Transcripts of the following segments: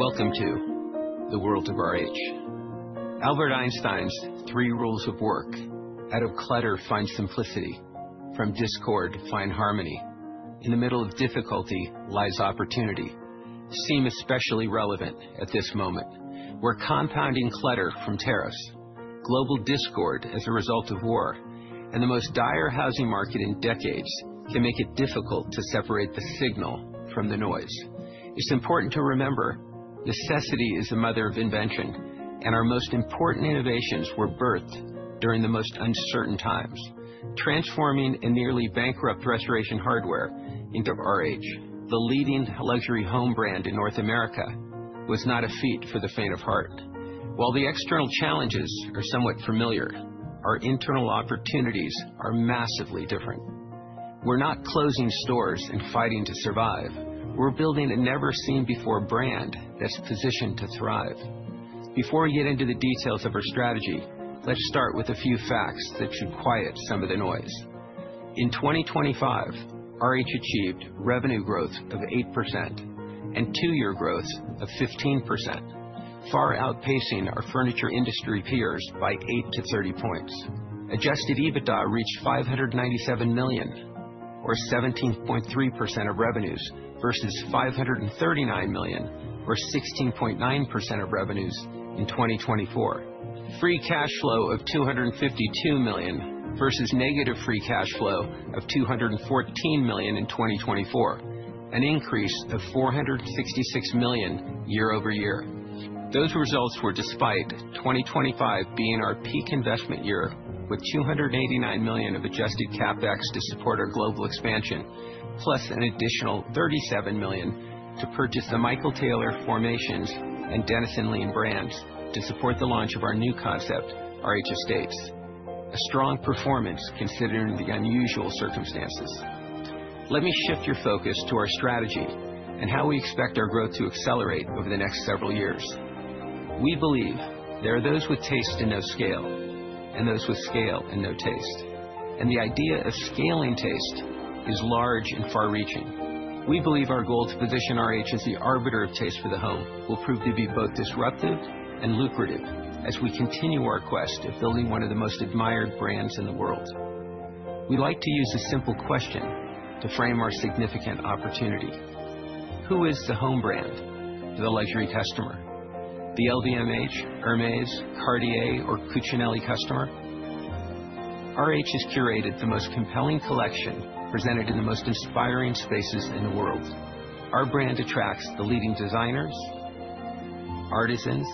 Welcome to the World of RH. Albert Einstein's three rules of work, out of clutter, find simplicity, from discord, find harmony. In the middle of difficulty, lies opportunity. They seem especially relevant at this moment. We're compounding clutter from tariffs, global discord as a result of war, and the most dire housing market in decades, which can make it difficult to separate the signal from the noise. It's important to remember, necessity is the mother of invention, and our most important innovations were birthed during the most uncertain times. Transforming a nearly bankrupt Restoration Hardware into RH, the leading luxury home brand in North America, was not a feat for the faint of heart. While the external challenges are somewhat familiar, our internal opportunities are massively different. We're not closing stores and fighting to survive. We're building a never-seen-before brand that's positioned to thrive. Before we get into the details of our strategy, let's start with a few facts that should quiet some of the noise. In 2025, RH achieved revenue growth of 8% and two-year growth of 15%, far outpacing our furniture industry peers by 8-30 points. Adjusted EBITDA reached $597 million or 17.3% of revenues versus $539 million, or 16.9% of revenues in 2024. Free cash flow of $252 million versus negative free cash flow of $214 million in 2024, an increase of $466 million year-over-year. Those results were despite 2025 being our peak investment year with $289 million of adjusted CapEx to support our global expansion, plus an additional $37 million to purchase the Michael Taylor, Formations, and Dennis & Leen brands to support the launch of our new concept, RH Estates. A strong performance considering the unusual circumstances. Let me shift your focus to our strategy and how we expect our growth to accelerate over the next several years. We believe there are those with taste and no scale, and those with scale and no taste. The idea of scaling taste is large and far-reaching. We believe our goal to position RH as the arbiter of taste for the home will prove to be both disruptive and lucrative as we continue our quest of building one of the most admired brands in the world. We like to use a simple question to frame our significant opportunity. Who is the home brand for the luxury customer? The LVMH, Hermès, Cartier, or Cucinelli customer? RH has curated the most compelling collection presented in the most inspiring spaces in the world. Our brand attracts the leading designers, artisans,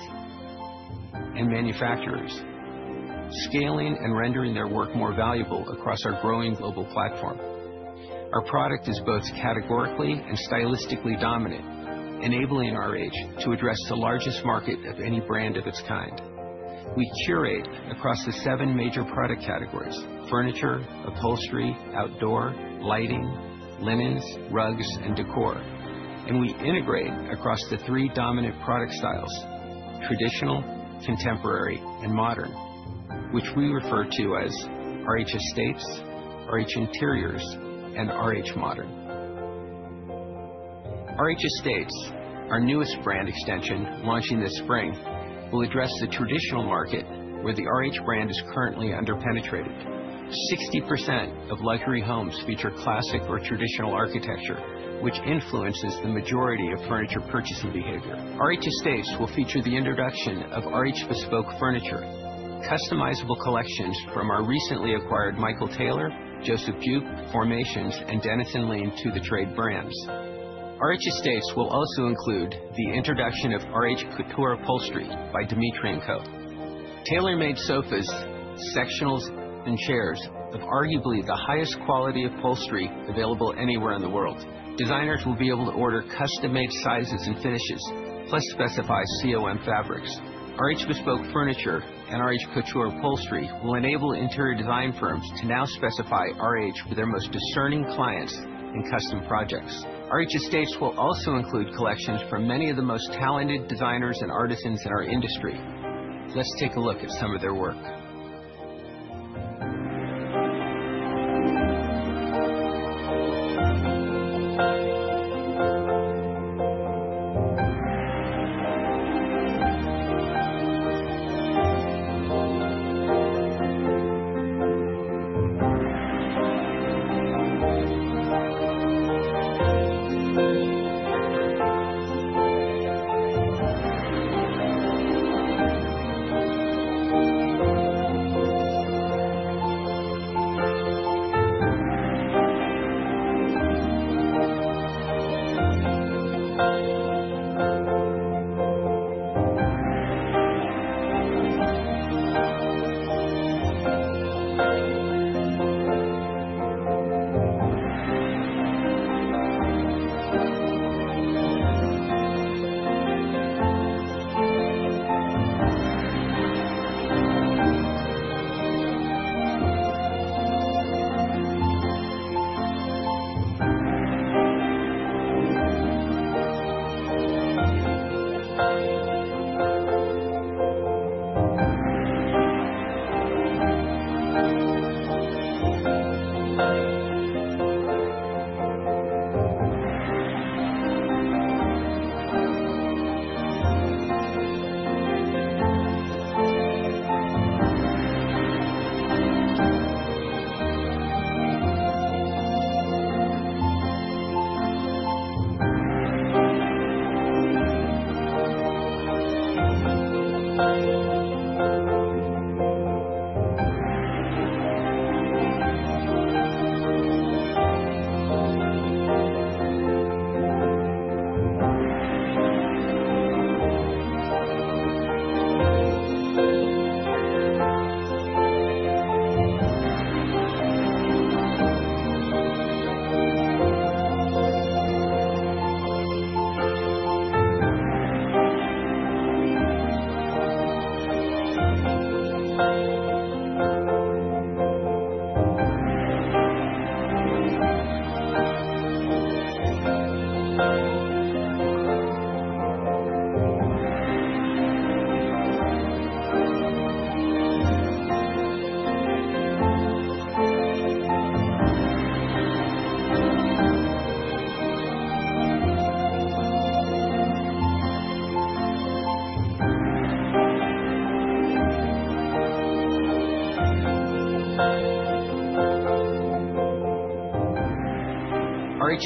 and manufacturers, scaling and rendering their work more valuable across our growing global platform. Our product is both categorically and stylistically dominant, enabling RH to address the largest market of any brand of its kind. We curate across the seven major product categories, furniture, upholstery, outdoor, lighting, linens, rugs, and decor. We integrate across the three dominant product styles, traditional, contemporary, and modern, which we refer to as RH Estates, RH Interiors, and RH Modern. RH Estates, our newest brand extension launching this spring, will address the traditional market where the RH brand is currently under-penetrated 60% of luxury homes feature classic or traditional architecture, which influences the majority of furniture purchasing behavior. RH Estates will feature the introduction of RH Bespoke Furniture, customizable collections from our recently acquired Michael Taylor, Joseph Buquet, Formations, and Dennis & Leen to the trade brands. RH Estates will also include the introduction of RH Couture Upholstery by Dmitriy & Co. Tailor-made sofas, sectionals, and chairs of arguably the highest quality upholstery available anywhere in the world. Designers will be able to order custom-made sizes and finishes, plus specify COM fabrics. RH Bespoke Furniture and RH Couture Upholstery will enable interior design firms to now specify RH with their most discerning clients in custom projects. RH Estates will also include collections from many of the most talented designers and artisans in our industry. Let's take a look at some of their work.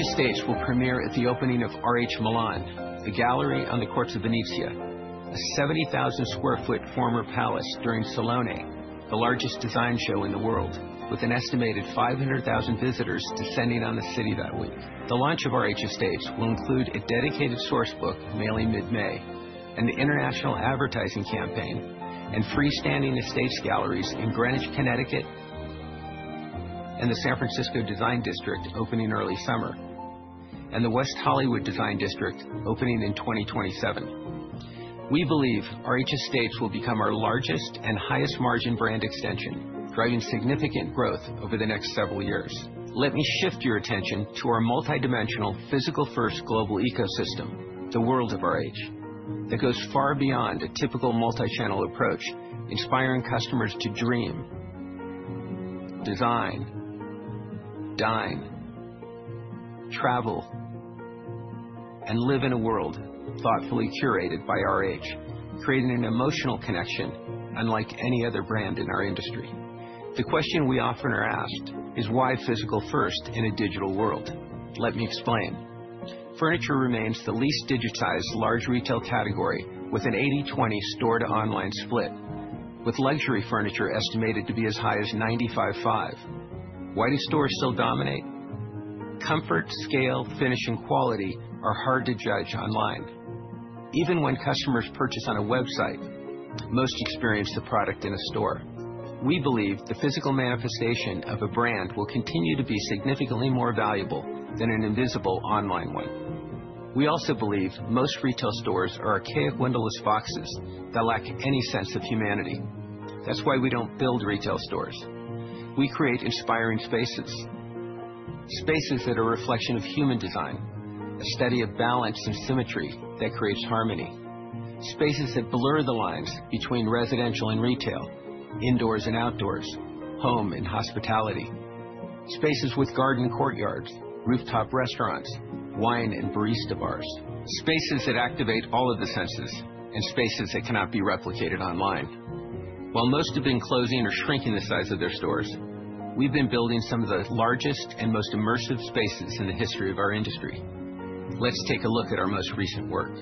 RH Estates will premiere at the opening of RH Milan, the gallery on Corso Venezia, a 70,000 sq ft former palace during Salone, the largest design show in the world, with an estimated 500,000 visitors descending on the city that week. The launch of RH Estates will include a dedicated source book mailing mid-May, an international advertising campaign, and freestanding estates galleries in Greenwich, Connecticut, and the San Francisco Design District opening early summer, and the West Hollywood Design District opening in 2027. We believe RH Estates will become our largest and highest margin brand extension, driving significant growth over the next several years. Let me shift your attention to our multidimensional physical first global ecosystem, the World of RH, that goes far beyond a typical multi-channel approach, inspiring customers to dream, design, dine, travel, and live in a world thoughtfully curated by RH, creating an emotional connection unlike any other brand in our industry. The question we often are asked is why physical first in a digital world? Let me explain. Furniture remains the least digitized large retail category with an 80/20 store to online split, with luxury furniture estimated to be as high as 95/5. Why do stores still dominate? Comfort, scale, finish, and quality are hard to judge online. Even when customers purchase on a website, most experience the product in a store. We believe the physical manifestation of a brand will continue to be significantly more valuable than an invisible online one. We also believe most retail stores are archaic windowless boxes that lack any sense of humanity. That's why we don't build retail stores. We create inspiring spaces. Spaces that are a reflection of human design, a study of balance and symmetry that creates harmony. Spaces that blur the lines between residential and retail, indoors and outdoors, home and hospitality. Spaces with garden courtyards, rooftop restaurants, wine and barista bars. Spaces that activate all of the senses and spaces that cannot be replicated online. While most have been closing or shrinking the size of their stores, we've been building some of the largest and most immersive spaces in the history of our industry. Let's take a look at our most recent work.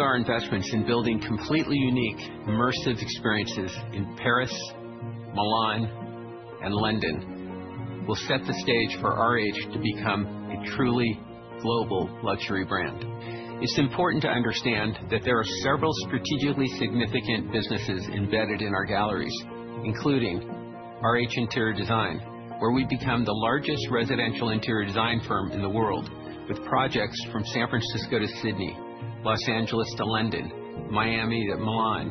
We believe our investments in building completely unique immersive experiences in Paris, Milan, and London will set the stage for RH to become a truly global luxury brand. It's important to understand that there are several strategically significant businesses embedded in our galleries, including RH Interior Design, where we've become the largest residential interior design firm in the world, with projects from San Francisco to Sydney, Los Angeles to London, Miami to Milan,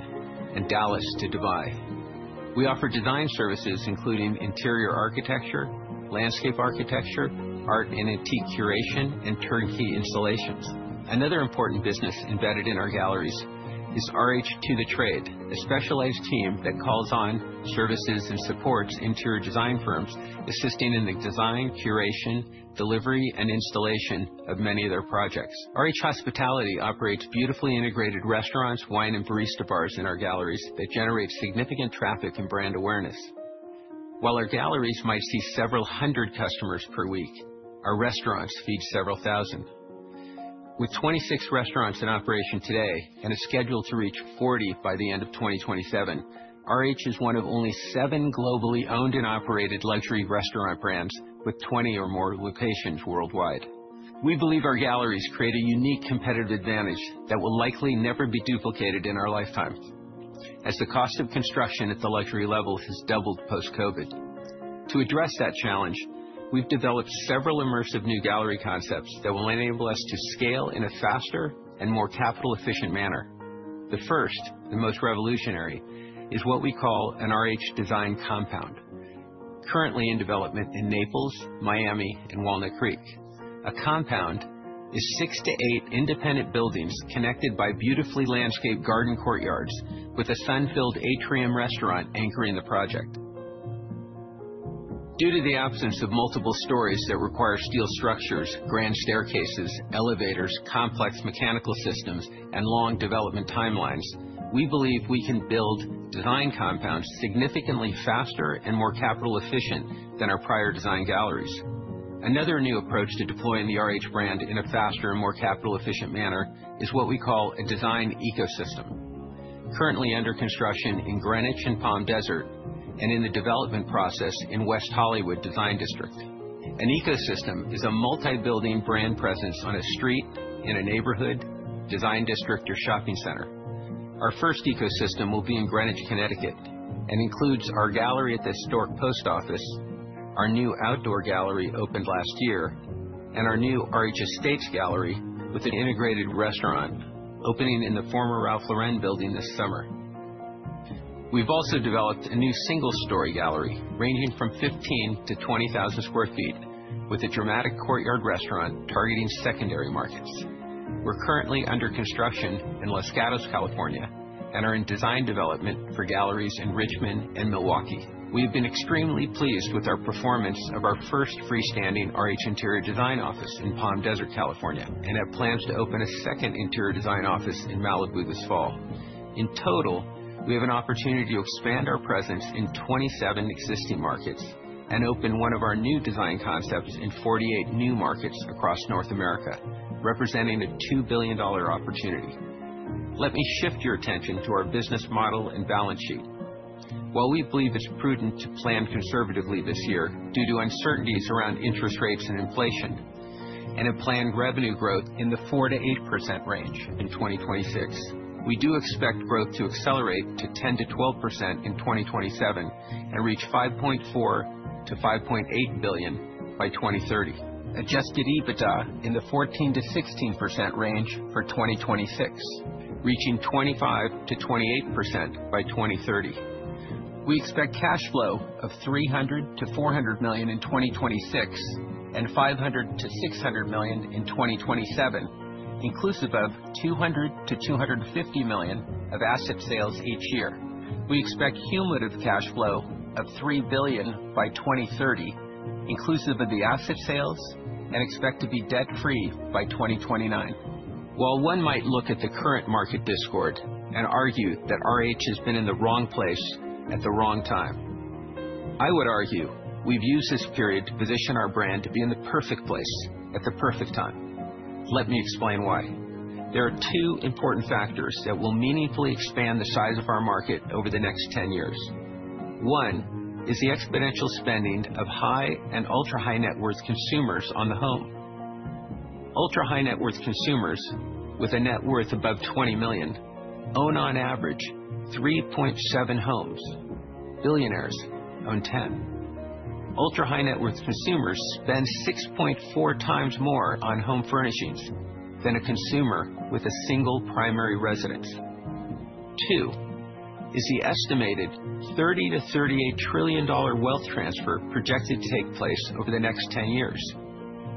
and Dallas to Dubai. We offer design services including interior architecture, landscape architecture, art and antique curation, and turnkey installations. Another important business embedded in our galleries is RH To The Trade, a specialized team that calls on services and supports interior design firms, assisting in the design, curation, delivery, and installation of many of their projects. RH Hospitality operates beautifully integrated restaurants, wine, and barista bars in our galleries that generate significant traffic and brand awareness. While our galleries might see several hundred customers per week, our restaurants feed several thousand. With 26 restaurants in operation today and is scheduled to reach 40 by the end of 2027, RH is one of only seven globally owned and operated luxury restaurant brands with 20 or more locations worldwide. We believe our galleries create a unique competitive advantage that will likely never be duplicated in our lifetime, as the cost of construction at the luxury level has doubled post-COVID. To address that challenge, we've developed several immersive new gallery concepts that will enable us to scale in a faster and more capital efficient manner. The first and most revolutionary is what we call an RH Design Compound, currently in development in Naples, Miami, and Walnut Creek. A compound is six to eight independent buildings connected by beautifully landscaped garden courtyards with a sun-filled atrium restaurant anchoring the project. Due to the absence of multiple stories that require steel structures, grand staircases, elevators, complex mechanical systems, and long development timelines, we believe we can build Design Compounds significantly faster and more capital efficient than our prior design galleries. Another new approach to deploying the RH brand in a faster and more capital efficient manner is what we call a design ecosystem, currently under construction in Greenwich and Palm Desert, and in the development process in West Hollywood Design District. An ecosystem is a multi-building brand presence on a street in a neighborhood, design district or shopping center. Our first ecosystem will be in Greenwich, Connecticut, and includes our gallery at the Historic Post Office, our new outdoor gallery opened last year, and our new RH Estates gallery with an integrated restaurant opening in the former Ralph Lauren building this summer. We've also developed a new single-story gallery ranging from 15,000-20,000 sq ft with a dramatic courtyard restaurant targeting secondary markets. We're currently under construction in Los Gatos, California, and are in design development for galleries in Richmond and Milwaukee. We've been extremely pleased with our performance of our first freestanding RH Interior Design office in Palm Desert, California, and have plans to open a second Interior Design office in Malibu this fall. In total, we have an opportunity to expand our presence in 27 existing markets and open one of our new design concepts in 48 new markets across North America, representing a $2 billion opportunity. Let me shift your attention to our business model and balance sheet. While we believe it's prudent to plan conservatively this year due to uncertainties around interest rates and inflation and a planned revenue growth in the 4%-8% range in 2026, we do expect growth to accelerate to 10%-12% in 2027 and reach $5.4 billion-$5.8 billion by 2030. Adjusted EBITDA in the 14%-16% range for 2026, reaching 25%-28% by 2030. We expect cash flow of $300 million-$400 million in 2026 and $500 million-$600 million in 2027, inclusive of $200 million-$250 million of asset sales each year. We expect cumulative cash flow of $3 billion by 2030, inclusive of the asset sales, and expect to be debt-free by 2029. While one might look at the current market discord and argue that RH has been in the wrong place at the wrong time, I would argue we've used this period to position our brand to be in the perfect place at the perfect time. Let me explain why. There are two important factors that will meaningfully expand the size of our market over the next 10 years. One is the exponential spending of high and ultra-high net worth consumers on the home. Ultra-high net worth consumers with a net worth above $20 million own on average 3.7 homes. Billionaires own 10. Ultra-high net worth consumers spend 6.4x more on home furnishings than a consumer with a single primary residence. Two is the estimated $30 trillion-$38 trillion wealth transfer projected to take place over the next 10 years,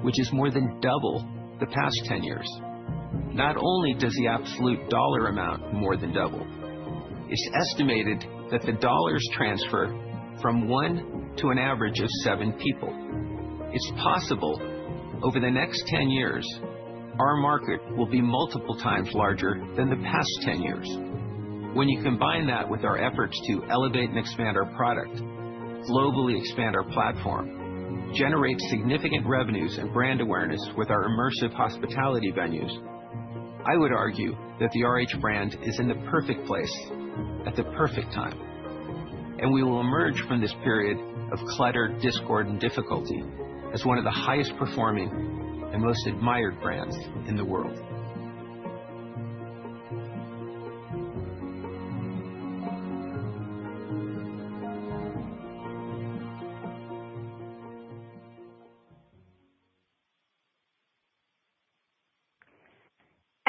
which is more than double the past 10 years. Not only does the absolute dollar amount more than double, it's estimated that the dollars transfer from one to an average of seven people. It's possible over the next 10 years, our market will be multiple times larger than the past 10 years. When you combine that with our efforts to elevate and expand our product, globally expand our platform, generate significant revenues and brand awareness with our immersive hospitality venues, I would argue that the RH brand is in the perfect place at the perfect time, and we will emerge from this period of clutter, discord, and difficulty as one of the highest performing and most admired brands in the world.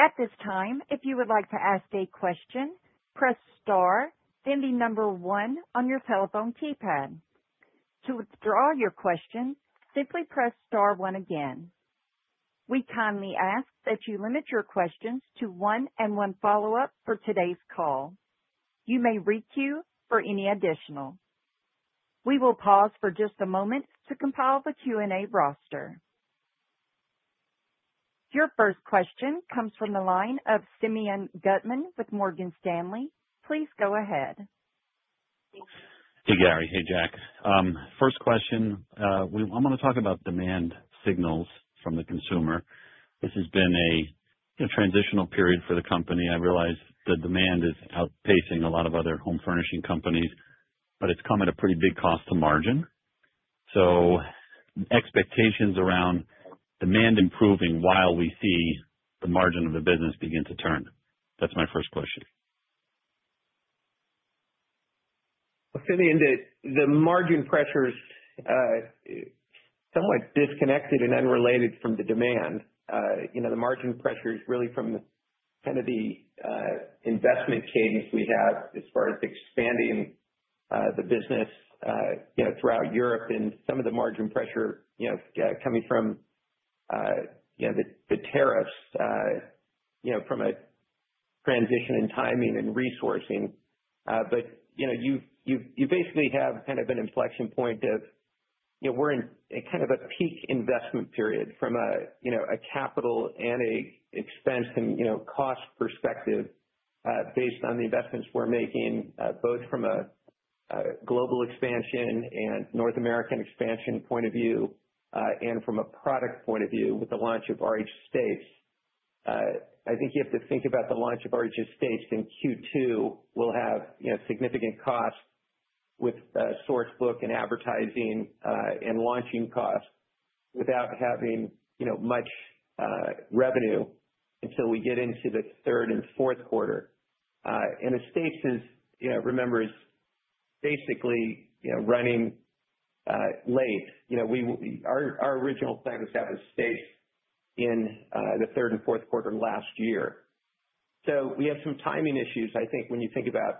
At this time, if you would like to ask a question, press star, then the number one on your telephone keypad. To withdraw your question, simply press star one again. We kindly ask that you limit your questions to one and one follow-up for today's call. You may re-queue for any additional. We will pause for just a moment to compile the Q&A roster. Your first question comes from the line of Simeon Gutman with Morgan Stanley. Please go ahead. Hey, Gary. Hey, Jack. First question. I wanna talk about demand signals from the consumer. This has been a transitional period for the company. I realize the demand is outpacing a lot of other home furnishing companies, but it's come at a pretty big cost to margin. Expectations around demand improving while we see the margin of the business begin to turn. That's my first question. Simeon, the margin pressures somewhat disconnected and unrelated from the demand. You know, the margin pressure is really from the kind of investment cadence we have as far as expanding the business, you know, throughout Europe and some of the margin pressure, you know, coming from, you know, the tariffs, you know, from a transition in timing and resourcing. You know, you basically have kind of an inflection point of, you know, we're in a kind of a peak investment period from a capital and expense and, you know, cost perspective, based on the investments we're making, both from a global expansion and North American expansion point of view, and from a product point of view with the launch of RH Estates. I think you have to think about the launch of RH Estates in Q2. We'll have, you know, significant costs with source book and advertising and launching costs without having, you know, much revenue until we get into the third and fourth quarter. RH Estates, you know, remember, is basically running late. Our original plan was to have RH Estates in the third and fourth quarter of last year. We have some timing issues, I think, when you think about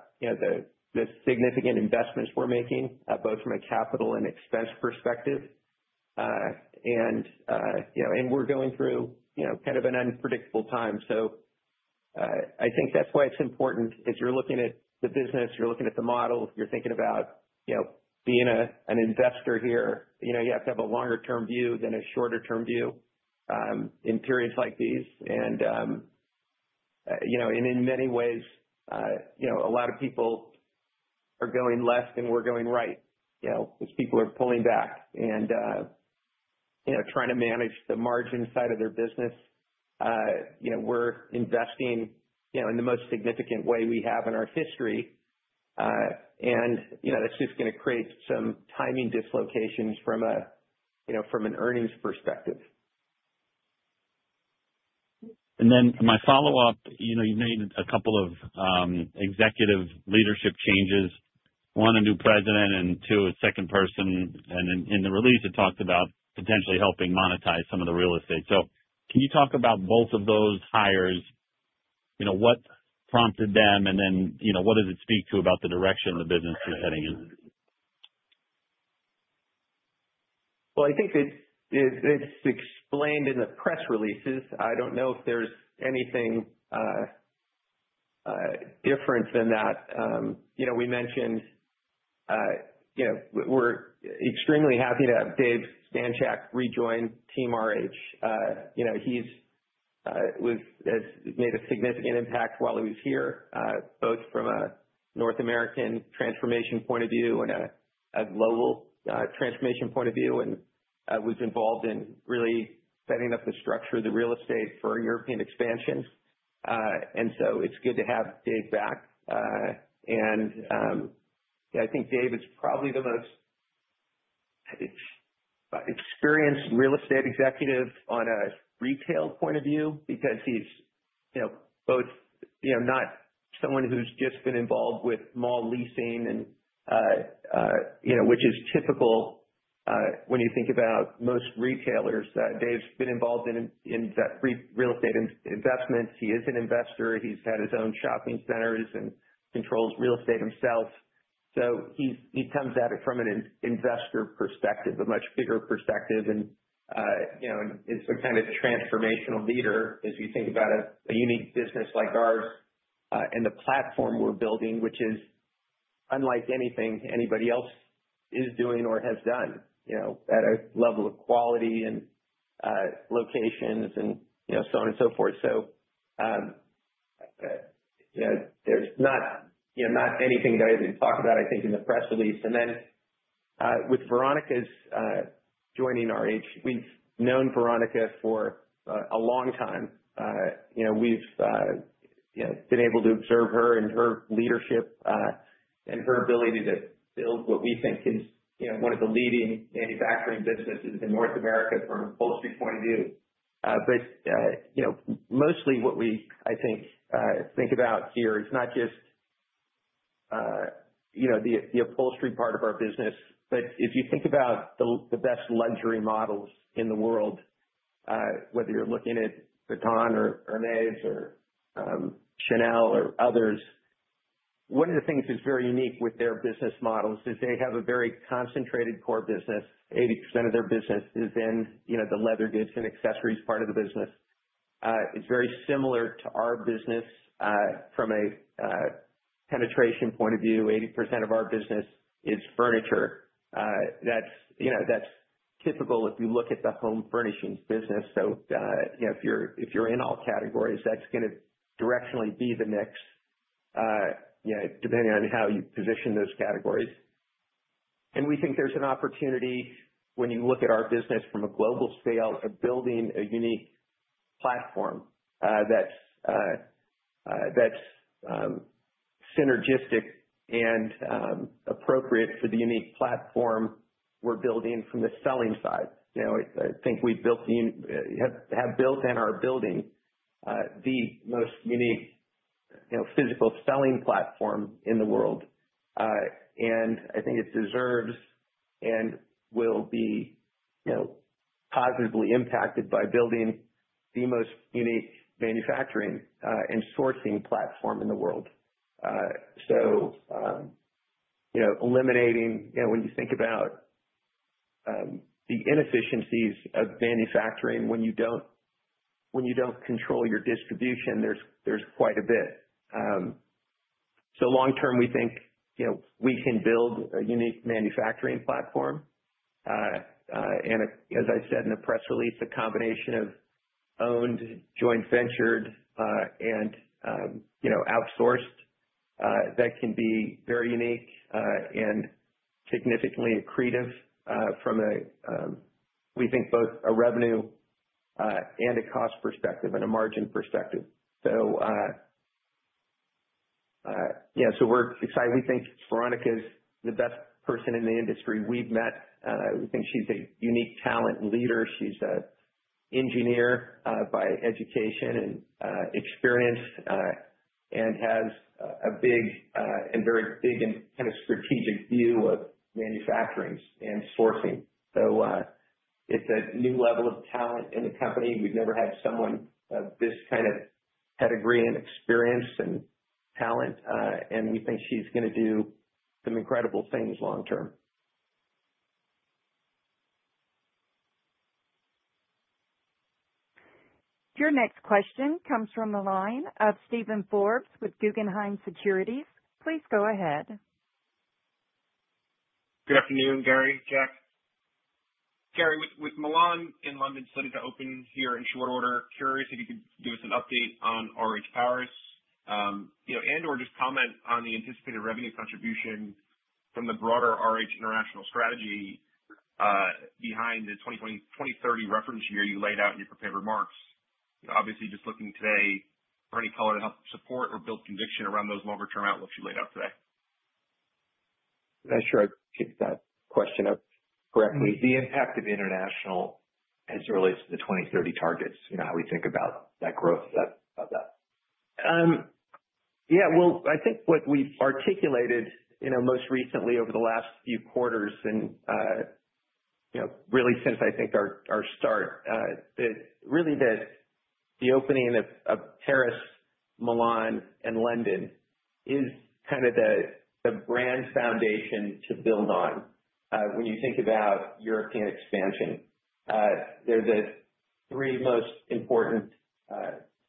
the significant investments we're making both from a capital and expense perspective. We're going through, you know, kind of an unpredictable time. I think that's why it's important as you're looking at the business, you're looking at the model, you're thinking about, you know, being an investor here. You know, you have to have a longer term view than a shorter term view in periods like these. You know, in many ways, a lot of people are going left, and we're going right, you know, as people are pulling back and, you know, trying to manage the margin side of their business. You know, we're investing, you know, in the most significant way we have in our history. You know, that's just gonna create some timing dislocations from an earnings perspective. Then my follow-up. You know, you've made a couple of executive leadership changes. One, a new president and two, a second person. In the release, it talked about potentially helping monetize some of the real estate. Can you talk about both of those hires? You know, what prompted them? You know, what does it speak to about the direction the business is heading in? Well, I think it's explained in the press releases. I don't know if there's anything different than that. You know, we mentioned, you know, we're extremely happy to have Dave Stanchak rejoin team RH. You know, he has made a significant impact while he was here, both from a North American transformation point of view and a global transformation point of view, and was involved in really setting up the structure of the real estate for European expansion. It's good to have Dave back. I think Dave is probably the most experienced real estate executive on a retail point of view because he's, you know, both, you know, not someone who's just been involved with mall leasing and, you know, which is typical, when you think about most retailers. Dave's been involved in that real estate investment. He is an investor. He's had his own shopping centers and controls real estate himself. He comes at it from an investor perspective, a much bigger perspective and, you know, and some kind of transformational leader as we think about a unique business like ours, and the platform we're building, which is unlike anything anybody else is doing or has done, you know, at a level of quality and locations and, you know, so on and so forth. There's not, you know, not anything Dave didn't talk about, I think, in the press release. With Veronica joining RH, we've known Veronica for a long time. You know, we've been able to observe her and her leadership and her ability to build what we think is, you know, one of the leading manufacturing businesses in North America from an upholstery point of view. But, you know, mostly what we think about here is not just, you know, the upholstery part of our business, but if you think about the best luxury models in the world, whether you're looking at Vuitton or Hermès or Chanel or others, one of the things that's very unique with their business models is they have a very concentrated core business. 80% of their business is in, you know, the leather goods and accessories part of the business. It's very similar to our business from a penetration point of view, 80% of our business is furniture. That's, you know, that's typical if you look at the home furnishings business. You know, if you're in all categories, that's gonna directionally be the mix, you know, depending on how you position those categories. We think there's an opportunity when you look at our business from a global scale of building a unique platform that's synergistic and appropriate for the unique platform we're building from the selling side. You know, I think we have built and are building the most unique, you know, physical selling platform in the world. I think it deserves and will be, you know, positively impacted by building the most unique manufacturing and sourcing platform in the world. You know, eliminating the inefficiencies of manufacturing, when you don't control your distribution, there's quite a bit. Long term, we think, you know, we can build a unique manufacturing platform. As I said in the press release, a combination of owned, joint ventured and outsourced that can be very unique and significantly accretive, we think, both a revenue and a cost perspective and a margin perspective. We're excited. We think Veronica's the best person in the industry we've met. We think she's a unique talent and leader. She's an engineer by education and experience and has a big and very big and kind of strategic view of manufacturing and sourcing. It's a new level of talent in the company. We've never had someone of this kind of pedigree and experience and talent, and we think she's gonna do some incredible things long term. Your next question comes from the line of Steven Forbes with Guggenheim Securities. Please go ahead. Good afternoon, Gary, Jack. Gary, with Milan and London set to open here in short order, curious if you could give us an update on RH Paris, you know, and/or just comment on the anticipated revenue contribution from the broader RH International strategy, behind the 2030 reference year you laid out in your prepared remarks. You know, obviously just looking today for any color to help support or build conviction around those longer term outlooks you laid out today. Not sure I picked that question up correctly. The impact of international as it relates to the 2030 targets, you know, how we think about that growth, about that. I think what we've articulated, you know, most recently over the last few quarters and, you know, really since I think our start, that really the opening of Paris, Milan, and London is kind of the brand foundation to build on, when you think about European expansion. They're the three most important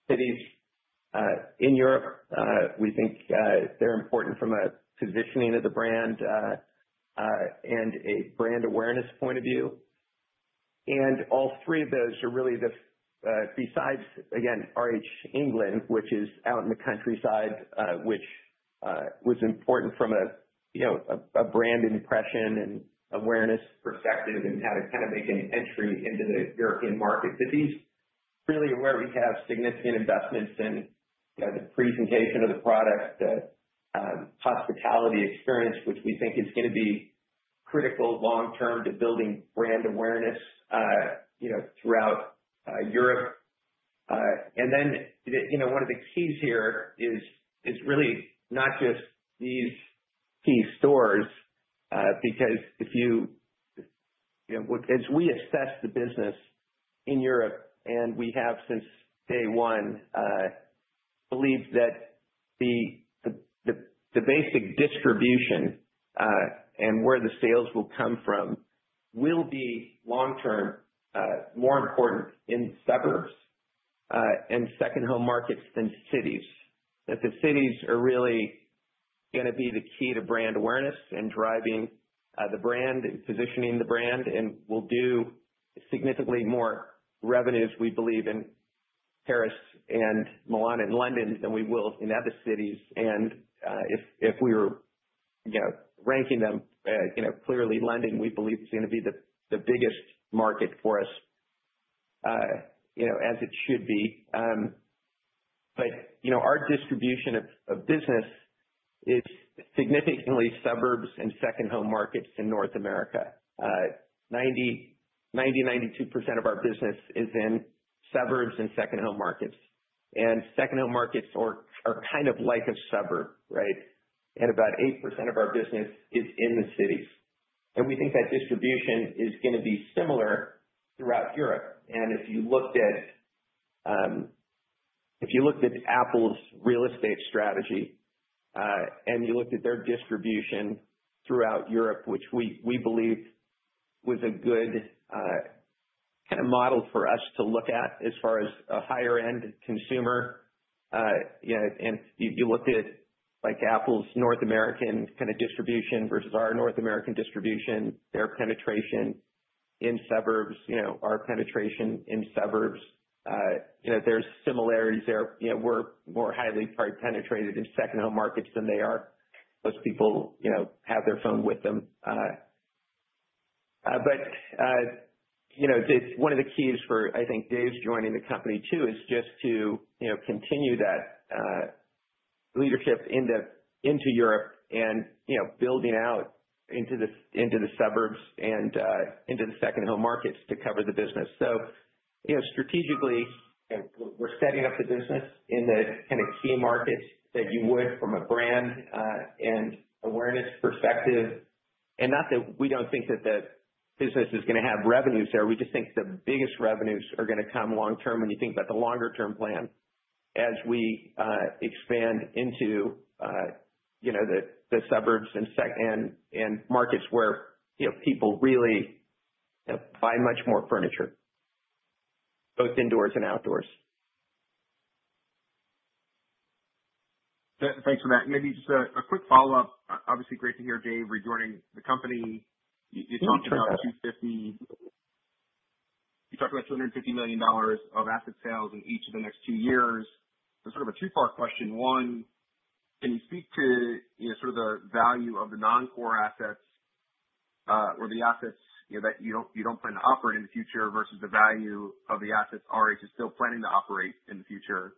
cities in Europe. We think they're important from a positioning of the brand, and a brand awareness point of view. All three of those are really the, besides, again, RH England, which is out in the countryside, which was important from a you know a brand impression and awareness perspective and how to kind of make an entry into the European market. These really are where we have significant investments in, you know, the presentation of the product, the hospitality experience, which we think is gonna be critical long-term to building brand awareness, you know, throughout Europe. One of the keys here is really not just these key stores, because if you know, as we assess the business in Europe, and we have since day one, believed that the basic distribution, and where the sales will come from will be long-term, more important in suburbs, and second-home markets than cities. The cities are really gonna be the key to brand awareness and driving the brand and positioning the brand and will do significantly more revenues, we believe, in Paris and Milan and London than we will in other cities. If we were, you know, ranking them, you know, clearly London, we believe, is gonna be the biggest market for us, you know, as it should be. Our distribution of business is significantly suburbs and second-home markets in North America. 90%-92% of our business is in suburbs and second-home markets. Second-home markets are kind of like a suburb, right? About 8% of our business is in the cities. We think that distribution is gonna be similar throughout Europe. If you looked at Apple's real estate strategy, and you looked at their distribution throughout Europe, which we believe was a good kinda model for us to look at as far as a higher end consumer, you know, and you looked at like Apple's North American kinda distribution versus our North American distribution, their penetration in suburbs, you know, our penetration in suburbs, you know, there's similarities there. You know, we're more highly probably penetrated in second-home markets than they are. Most people, you know, have their phone with them. You know, it's one of the keys for, I think, Dave's joining the company too, is just to, you know, continue that leadership into Europe and, you know, building out into the suburbs and into the second-home markets to cover the business. You know, strategically, you know, we're setting up the business in the kind of key markets that you would from a brand and awareness perspective. Not that we don't think that the business is gonna have revenues there, we just think the biggest revenues are gonna come long-term when you think about the longer term plan as we expand into, you know, the suburbs and markets where, you know, people really, you know, buy much more furniture, both indoors and outdoors. Thanks for that. Maybe just a quick follow-up. Obviously great to hear Dave rejoining the company. Yeah. You talked about $250 million of asset sales in each of the next two years. Sort of a two-part question. One, can you speak to, you know, sort of the value of the non-core assets, or the assets, you know, that you don't plan to operate in the future versus the value of the assets RH is still planning to operate in the future?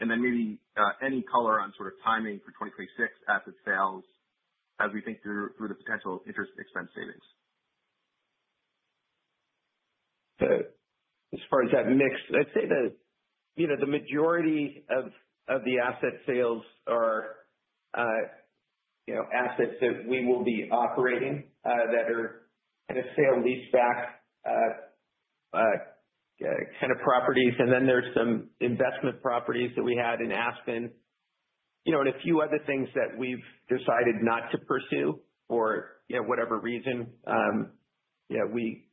Then maybe any color on sort of timing for 2026 asset sales as we think through the potential interest expense savings. As far as that mix, I'd say that, you know, the majority of the asset sales are, you know, assets that we will be operating that are kind of sale-leaseback kind of properties. Then there's some investment properties that we had in Aspen, you know, and a few other things that we've decided not to pursue for, you know, whatever reason.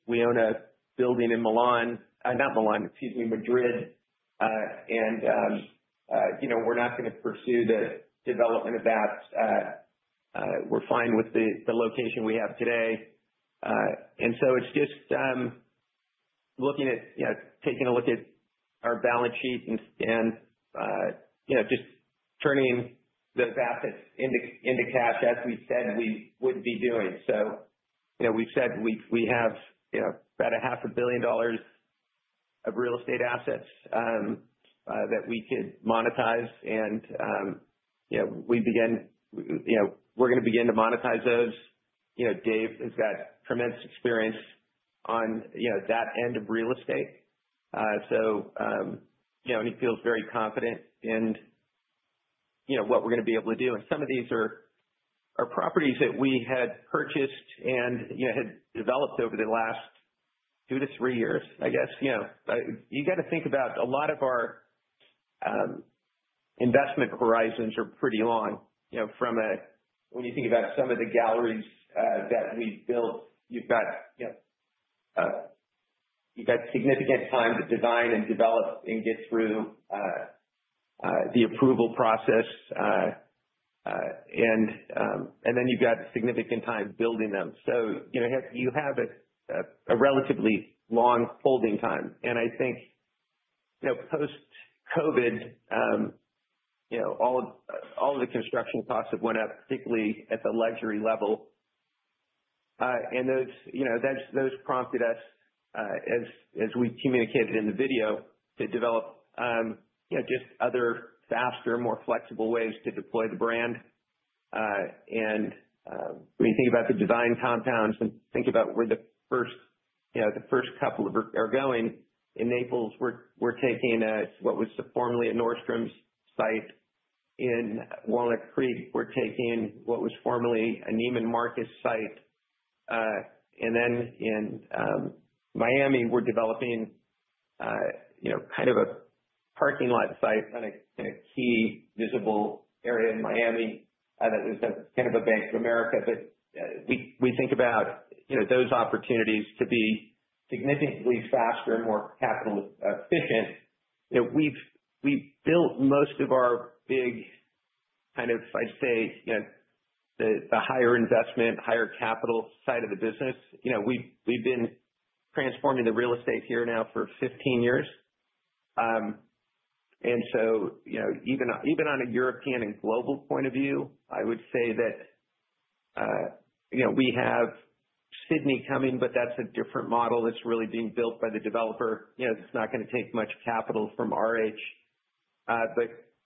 We own a building in Milan. Not Milan, excuse me, Madrid. And you know, we're not gonna pursue the development of that. We're fine with the location we have today. And so it's just looking at, you know, taking a look at our balance sheet and and, you know, just turning those assets into cash as we said we would be doing. you know, we've said we have, you know, about a $0.5 billion of real estate assets that we could monetize. you know, we're gonna begin to monetize those. You know, Dave has got tremendous experience on, you know, that end of real estate. you know, he feels very confident in, you know, what we're gonna be able to do. some of these are properties that we had purchased and, you know, had developed over the last two to three years, I guess. You know, you gotta think about a lot of our investment horizons are pretty long. You know, from when you think about some of the galleries that we've built, you've got, you know, significant time to design and develop and get through the approval process, and then you've got significant time building them. You have a relatively long holding time. I think, post-COVID, all of the construction costs have went up, particularly at the luxury level. Those prompted us, as we communicated in the video, to develop just other faster, more flexible ways to deploy the brand. When you think about the design compounds and think about where the first couple are going in Naples, we're taking what was formerly a Nordstrom site. In Walnut Creek, we're taking what was formerly a Neiman Marcus site. In Miami, we're developing kind of a parking lot site in a key visible area in Miami that was kind of a Bank of America. We think about those opportunities to be significantly faster and more capital efficient. You know, we've built most of our big kind of, I'd say, you know, the higher investment, higher capital side of the business. You know, we've been transforming the real estate here now for 15 years. You know, even on a European and global point of view, I would say that, you know, we have Sydney coming, but that's a different model that's really being built by the developer. You know, it's not gonna take much capital from RH.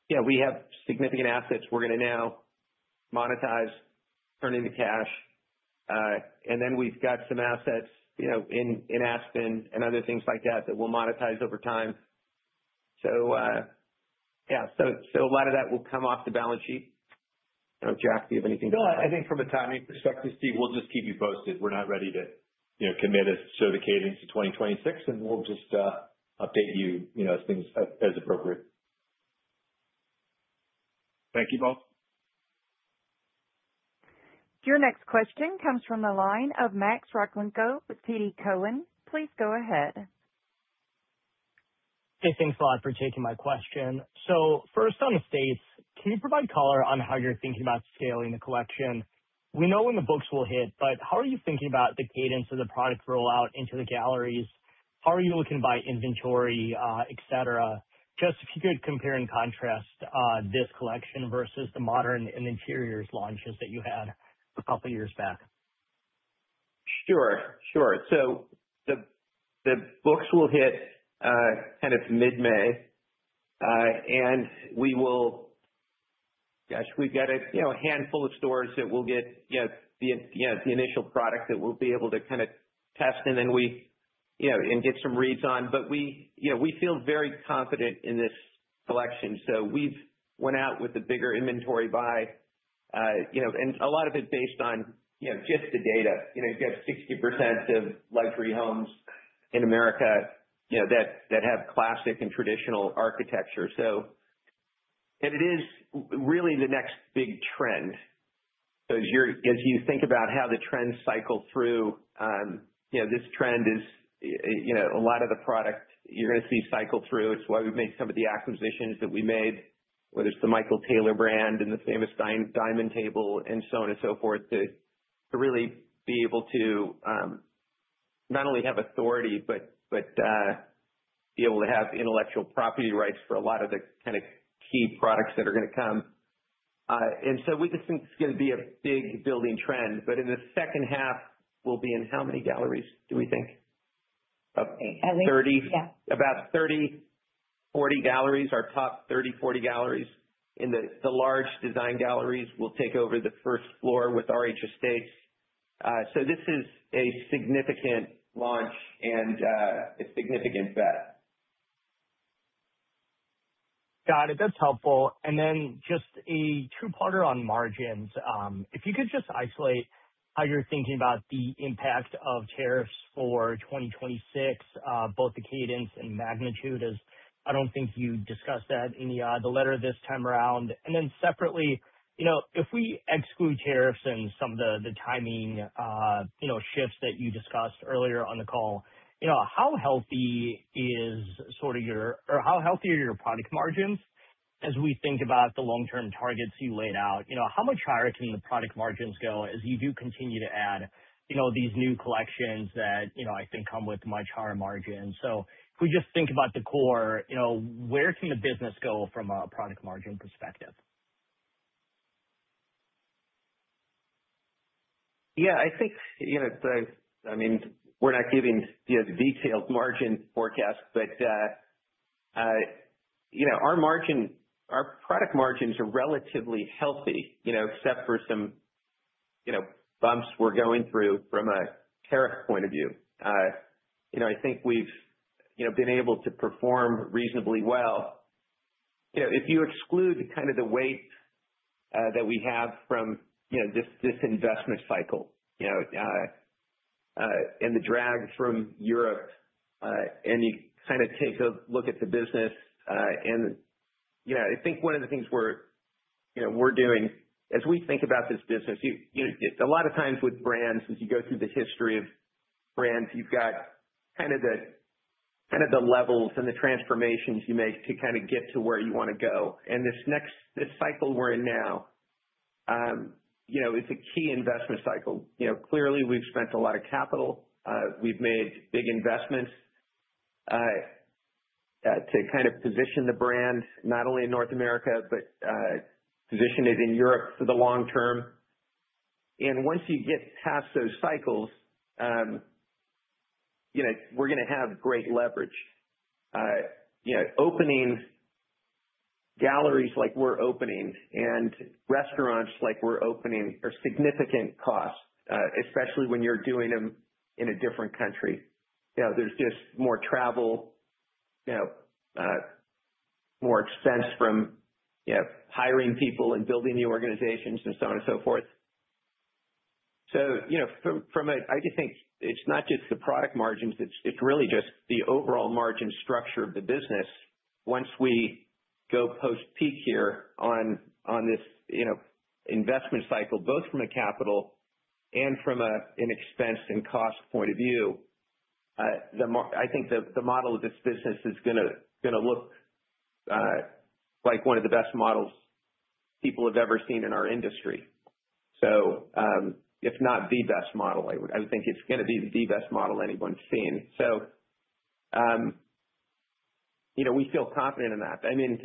Yeah, we have significant assets we're gonna now monetize, turn into cash. We've got some assets, you know, in Aspen and other things like that we'll monetize over time. Yeah. A lot of that will come off the balance sheet. I don't know, Jack, do you have anything to add? No, I think from a timing perspective, Steve, we'll just keep you posted. We're not ready to, you know, commit CapEx into 2026, and we'll just update you know, as appropriate. Thank you both. Your next question comes from the line of Max Rakhlenko with TD Cowen. Please go ahead. Hey, thanks a lot for taking my question. First on Estates, can you provide color on how you're thinking about scaling the collection? We know when the books will hit, but how are you thinking about the cadence of the product rollout into the galleries? How are you looking at inventory, et cetera? Just if you could compare and contrast this collection versus the Modern and Interiors launches that you had a couple years back. Sure. The books will hit kind of mid-May. Gosh, we've got a you know handful of stores that will get you know the initial product that we'll be able to kinda test and then we you know get some reads on. We, you know feel very confident in this collection. We've went out with a bigger inventory buy you know. A lot of it's based on you know just the data. You know you have 60% of luxury homes in America you know that have classic and traditional architecture. It is really the next big trend. As you think about how the trends cycle through you know this trend is you know a lot of the product you're gonna see cycle through. It's why we've made some of the acquisitions that we made, whether it's the Michael Taylor brand and the famous diamond table and so on and so forth, to really be able to not only have authority, but be able to have intellectual property rights for a lot of the kinda key products that are gonna come. We just think it's gonna be a big building trend. In the second half, we'll be in how many galleries do we think? I think at least. 30. Yeah. About 30-40 galleries. Our top 30-40 galleries in the large design galleries will take over the first floor with RH Estates. This is a significant launch and a significant bet. Got it. That's helpful. Then just a two-parter on margins. If you could just isolate how you're thinking about the impact of tariffs for 2026, both the cadence and magnitude, as I don't think you discussed that in the letter this time around. Then separately, you know, if we exclude tariffs and some of the timing shifts that you discussed earlier on the call, you know, how healthy is sort of your or how healthy are your product margins as we think about the long-term targets you laid out? You know, how much higher can the product margins go as you do continue to add, you know, these new collections that, you know, I think come with much higher margins? If we just think about the core, you know, where can the business go from a product margin perspective? Yeah, I think, you know, I mean, we're not giving, you know, the detailed margin forecast, but, you know, our margin, our product margins are relatively healthy, you know, except for some, you know, bumps we're going through from a tariff point of view. You know, I think we've, you know, been able to perform reasonably well. You know, if you exclude kind of the weight that we have from this investment cycle and the drag from Europe and you kinda take a look at the business and you know, I think one of the things we're doing as we think about this business, you know, it's a lot of times with brands, as you go through the history of brands, you've got kind of the levels and the transformations you make to kind of get to where you wanna go. This next cycle we're in now is a key investment cycle. You know, clearly we've spent a lot of capital. We've made big investments to kind of position the brand not only in North America, but position it in Europe for the long term. Once you get past those cycles, you know, we're gonna have great leverage. You know, opening galleries like we're opening and restaurants like we're opening are significant costs, especially when you're doing them in a different country. You know, there's just more travel, you know, more expense from, you know, hiring people and building new organizations and so on and so forth. You know, I just think it's not just the product margins, it's really just the overall margin structure of the business. Once we go post-peak here on this, you know, investment cycle, both from a capital and from an expense and cost point of view, I think the model of this business is gonna look like one of the best models people have ever seen in our industry. If not the best model, I would think it's gonna be the best model anyone's seen. You know, we feel confident in that. I mean,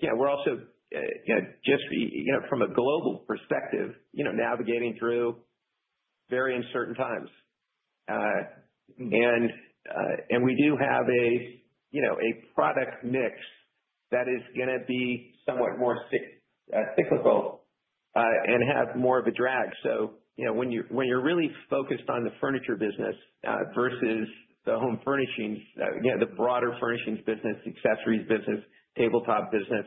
yeah, we're also, you know, just, you know, from a global perspective, you know, navigating through very uncertain times. We do have, you know, a product mix that is gonna be somewhat more cyclical and have more of a drag. You know, when you're really focused on the furniture business versus the home furnishings, you know, the broader furnishings business, accessories business, tabletop business,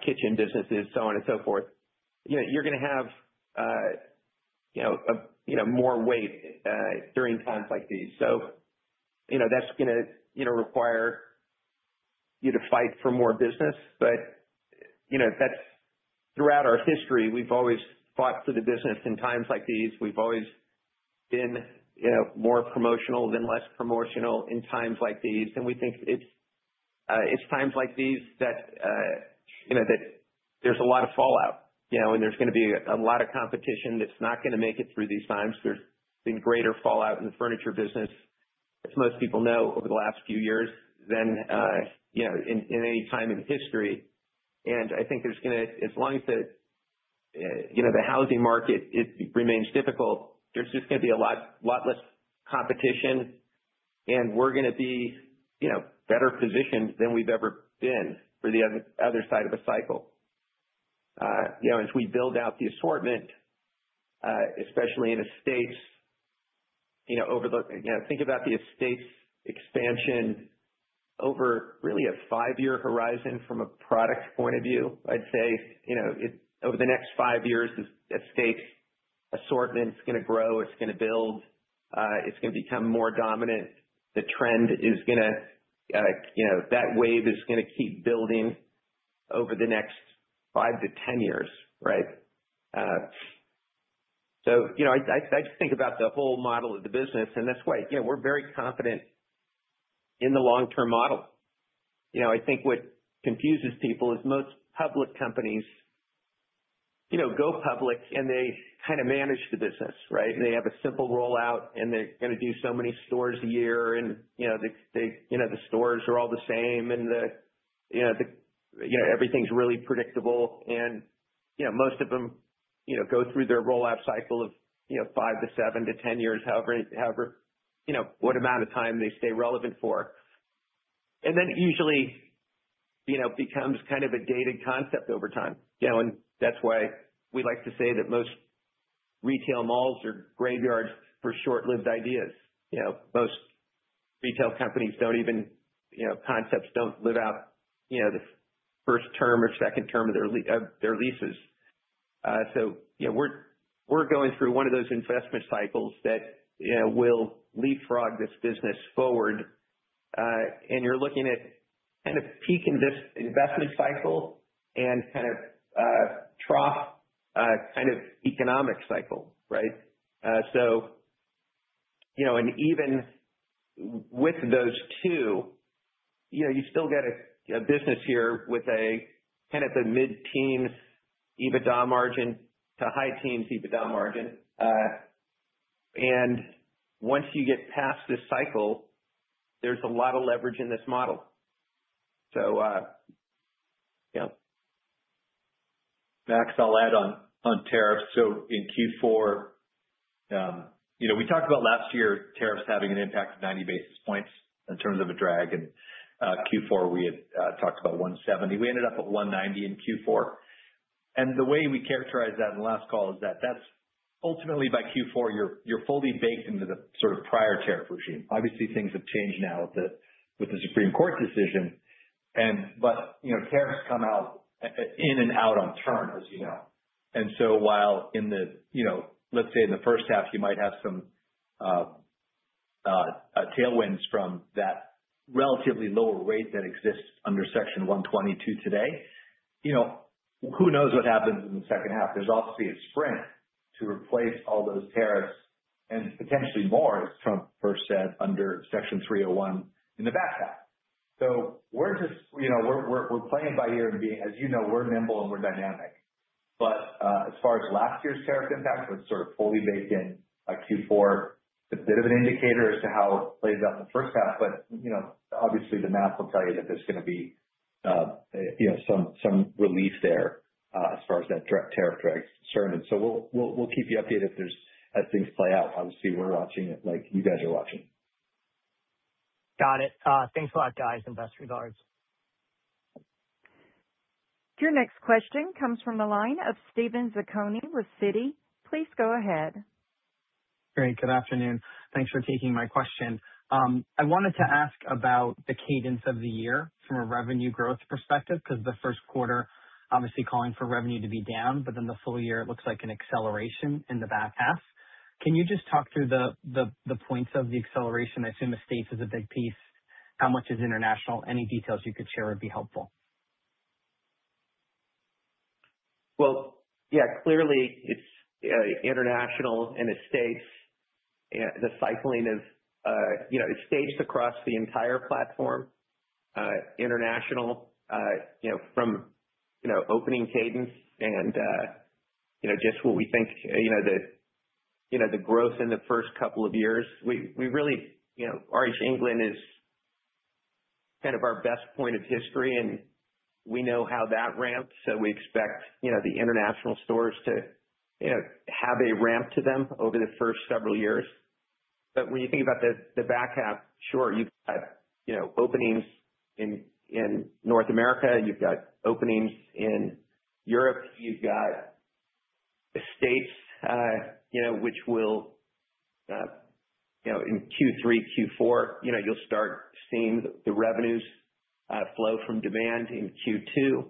kitchen businesses, so on and so forth, you know, you're gonna have more weight during times like these. You know, that's gonna require you to fight for more business. Throughout our history, we've always fought for the business in times like these. We've always been, you know, more promotional than less promotional in times like these. We think it's times like these that there's a lot of fallout, you know, and there's gonna be a lot of competition that's not gonna make it through these times. There's been greater fallout in the furniture business, as most people know, over the last few years than you know in any time in history. I think as long as the you know the housing market remains difficult, there's just gonna be a lot less competition, and we're gonna be you know better positioned than we've ever been for the other side of the cycle. You know, as we build out the assortment, especially in Estates, you know over You know, think about the Estates expansion over really a five-year horizon from a product point of view. I'd say, you know over the next five years, the Estates assortment's gonna grow, it's gonna build, it's gonna become more dominant. The trend is gonna, you know, that wave is gonna keep building over the next five to 10 years, right? You know, I just think about the whole model of the business and that's why, you know, we're very confident in the long-term model. You know, I think what confuses people is most public companies, you know, go public, and they kinda manage the business, right? They have a simple rollout, and they're gonna do so many stores a year. You know, they, you know, the stores are all the same and the, you know, everything's really predictable. You know, most of them, you know, go through their rollout cycle of, you know, five to seven to 10 years, however, you know, what amount of time they stay relevant for. Usually, you know, becomes kind of a dated concept over time, you know. That's why we like to say that most retail malls are graveyards for short-lived ideas. You know, most retail companies don't even, you know, concepts don't live out, you know, the first term or second term of their of their leases. So, you know, we're going through one of those investment cycles that, you know, will leapfrog this business forward. You're looking at kind of peak in this investment cycle and kind of trough, kind of economic cycle, right. So, you know, even with those two, you know, you still get a business here with a kind of a mid-teen EBITDA margin to high teens EBITDA margin. Once you get past this cycle, there's a lot of leverage in this model. Yeah. Max, I'll add on tariffs. In Q4, you know, we talked about last year tariffs having an impact of 90 basis points in terms of a drag. Q4, we had talked about 170, we ended up at 190 in Q4. The way we characterize that in the last call is that that's ultimately by Q4, you're fully baked into the sort of prior tariff regime. Obviously, things have changed now with the Supreme Court decision. You know, tariffs come out in and out on turn, as you know. While in the, you know, let's say in the first half, you might have some Tailwinds from that relatively lower rate that exists under Section 122 today. You know, who knows what happens in the second half. There's obviously a sprint to replace all those tariffs and potentially more, as Trump first said, under Section 301 in the back half. We're just, you know, playing it by ear and being, as you know, nimble and dynamic. As far as last year's tariff impact was sort of fully baked in Q4. It's a bit of an indicator as to how it plays out in the first half. You know, obviously, the math will tell you that there's gonna be, you know, some relief there, as far as that direct tariff drag is concerned. We'll keep you updated as things play out. Obviously, we're watching it like you guys are watching. Got it. Thanks a lot, guys, and best regards. Your next question comes from the line of Steven Zaccone with Citi. Please go ahead. Great. Good afternoon. Thanks for taking my question. I wanted to ask about the cadence of the year from a revenue growth perspective, because the first quarter, obviously calling for revenue to be down, but then the full year, it looks like an acceleration in the back half. Can you just talk through the points of the acceleration? I assume Estates is a big piece. How much is international? Any details you could share would be helpful. Well, yeah. Clearly, it's international and Estates. The cycling of, you know, it's staged across the entire platform, international, you know, from, you know, opening cadence and, you know, just what we think, you know, the, you know, the growth in the first couple of years. We really, you know, RH England is kind of our best point of history, and we know how that ramps, so we expect, you know, the international stores to, you know, have a ramp to them over the first several years. But when you think about the back half, sure, you've got, you know, openings in North America, you've got openings in Europe, you've got Estates, you know, which will, you know, in Q3, Q4, you know, you'll start seeing the revenues flow from demand in Q2.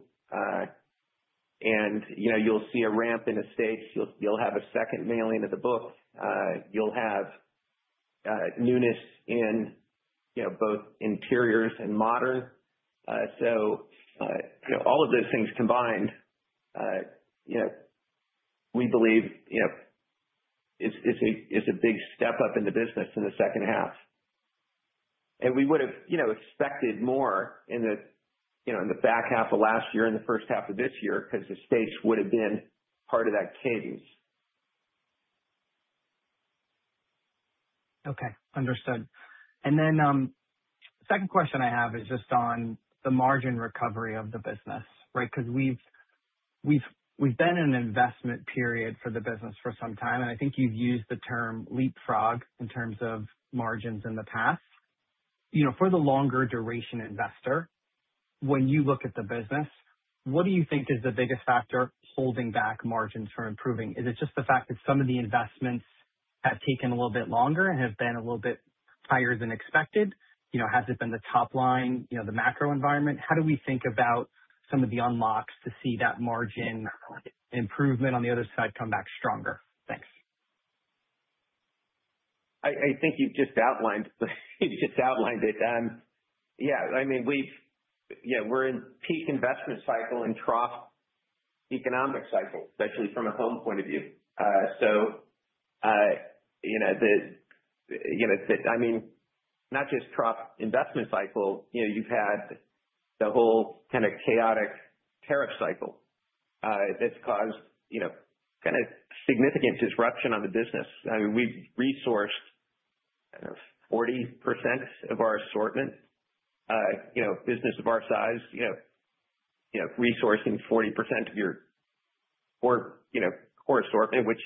You know, you'll see a ramp in Estates. You'll have a second mailing of the book. You'll have newness in both Interiors and Modern. You know, all of those things combined, you know, we believe, you know, it's a big step up in the business in the second half. We would've you know, expected more in the you know, in the back half of last year and the first half of this year because Estates would have been part of that cadence. Okay. Understood. Second question I have is just on the margin recovery of the business, right? Because we've been in an investment period for the business for some time, and I think you've used the term leapfrog in terms of margins in the past. You know, for the longer duration investor, when you look at the business, what do you think is the biggest factor holding back margins from improving? Is it just the fact that some of the investments have taken a little bit longer and have been a little bit higher than expected? You know, has it been the top line, you know, the macro environment? How do we think about some of the unlocks to see that margin improvement on the other side come back stronger? Thanks. I think you just outlined it. Yeah, I mean, we've you know, we're in peak investment cycle and trough economic cycle, especially from a home point of view. So, you know, I mean, not just trough investment cycle. You know, you've had the whole kind of chaotic tariff cycle that's caused you know, kind of significant disruption on the business. I mean, we've resourced 40% of our assortment. You know, business of our size, you know, resourcing 40% of your core assortment, which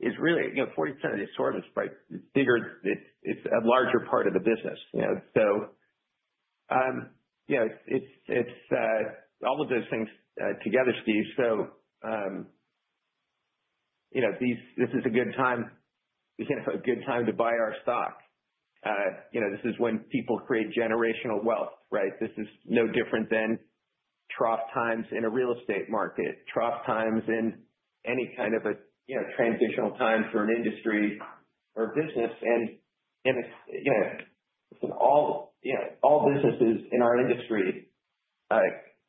is really, you know, 40% of the assortment is quite bigger. It's a larger part of the business, you know. So, you know, it's all of those things together, Steve. This is a good time to buy our stock. This is when people create generational wealth, right? This is no different than trough times in a real estate market, trough times in any kind of a transitional time for an industry or business. It's all businesses in our industry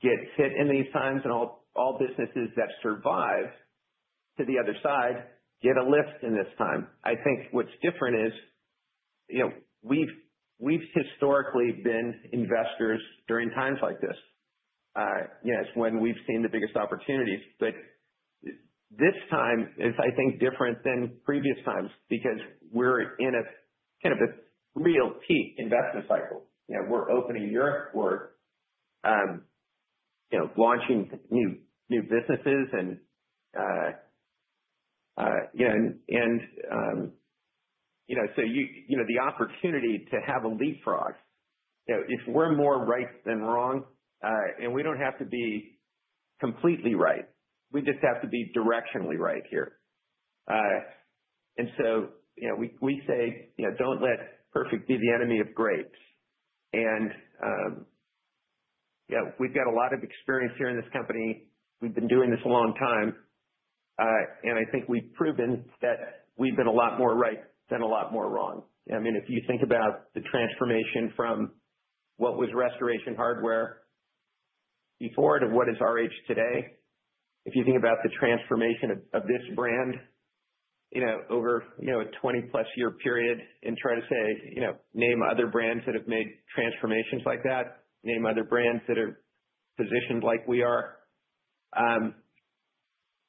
get hit in these times, and all businesses that survive to the other side get a lift in this time. I think what's different is, we've historically been investors during times like this. It's when we've seen the biggest opportunities. This time is, I think, different than previous times because we're in a kind of a real peak investment cycle. You know, we're opening Europe, we're you know, launching new businesses and you know, so you know, the opportunity to have a leapfrog, you know, if we're more right than wrong, and we don't have to be completely right, we just have to be directionally right here. So you know, we say, you know, "Don't let perfect be the enemy of great." Yeah, we've got a lot of experience here in this company. We've been doing this a long time. I think we've proven that we've been a lot more right than a lot more wrong. I mean, if you think about the transformation from what was Restoration Hardware before to what is RH today, if you think about the transformation of this brand, you know, over a 20+ year period and try to say, you know, name other brands that have made transformations like that, name other brands that are positioned like we are.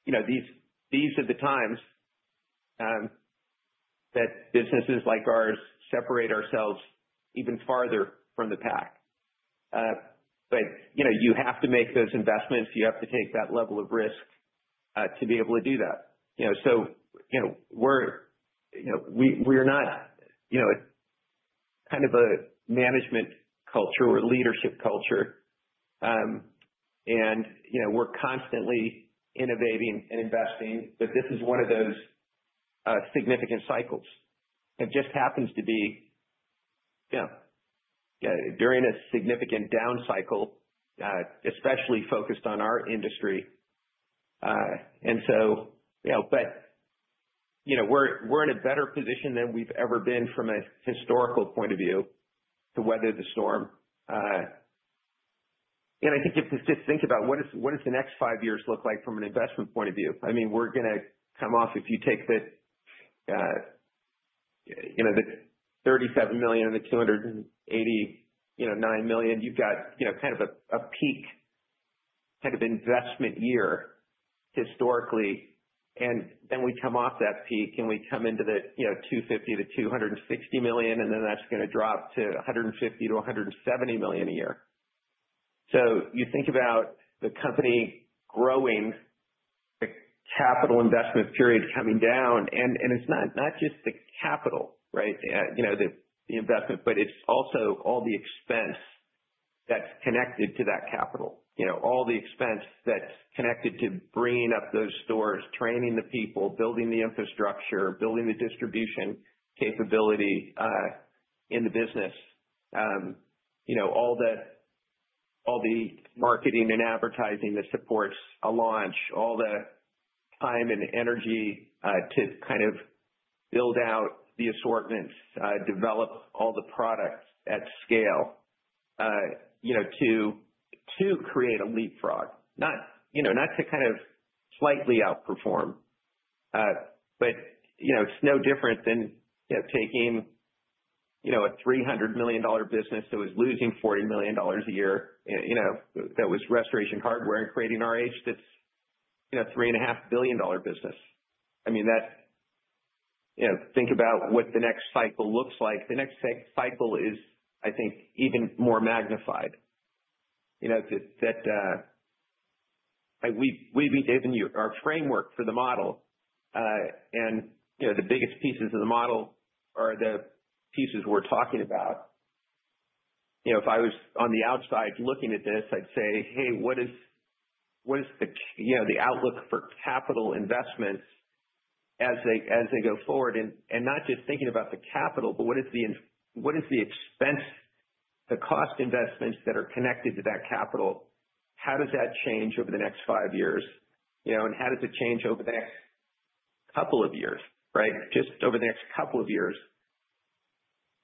You know, these are the times that businesses like ours separate ourselves even farther from the pack. You know, you have to make those investments. You have to take that level of risk to be able to do that. You know, you know, we're not kind of a management culture or leadership culture. You know, we're constantly innovating and investing, but this is one of those significant cycles. It just happens to be, you know, during a significant down cycle, especially focused on our industry. You know, we're in a better position than we've ever been from a historical point of view to weather the storm. I think if you just think about what is, what does the next five years look like from an investment point of view. I mean, we're gonna come off, if you take the $37 million and the $289 million, you've got kind of a peak kind of investment year historically. We come off that peak, and we come into the, you know, $250 million-$260 million, and then that's gonna drop to $150 million-$170 million a year. So you think about the company growing, the capital investment periods coming down, and it's not just the capital, right? You know, the investment, but it's also all the expense that's connected to that capital. You know, all the expense that's connected to bringing up those stores, training the people, building the infrastructure, building the distribution capability in the business. You know, all the marketing and advertising that supports a launch, all the time and energy to kind of build out the assortments, develop all the products at scale, you know, to create a leapfrog, not, you know, not to kind of slightly outperform. You know, it's no different than, you know, taking, you know, a $300 million business that was losing $40 million a year, and, you know, that was Restoration Hardware and creating RH that's, you know, $3.5 billion business. I mean, that's. You know, think about what the next cycle looks like. The next cycle is, I think, even more magnified. You know, to set. We've been giving you our framework for the model. You know, the biggest pieces of the model are the pieces we're talking about. You know, if I was on the outside looking at this, I'd say, "Hey, what is the, you know, the outlook for capital investments as they go forward?" Not just thinking about the capital, but what is the expense, the cost investments that are connected to that capital? How does that change over the next five years? You know, how does it change over the next couple of years, right? Just over the next couple of years.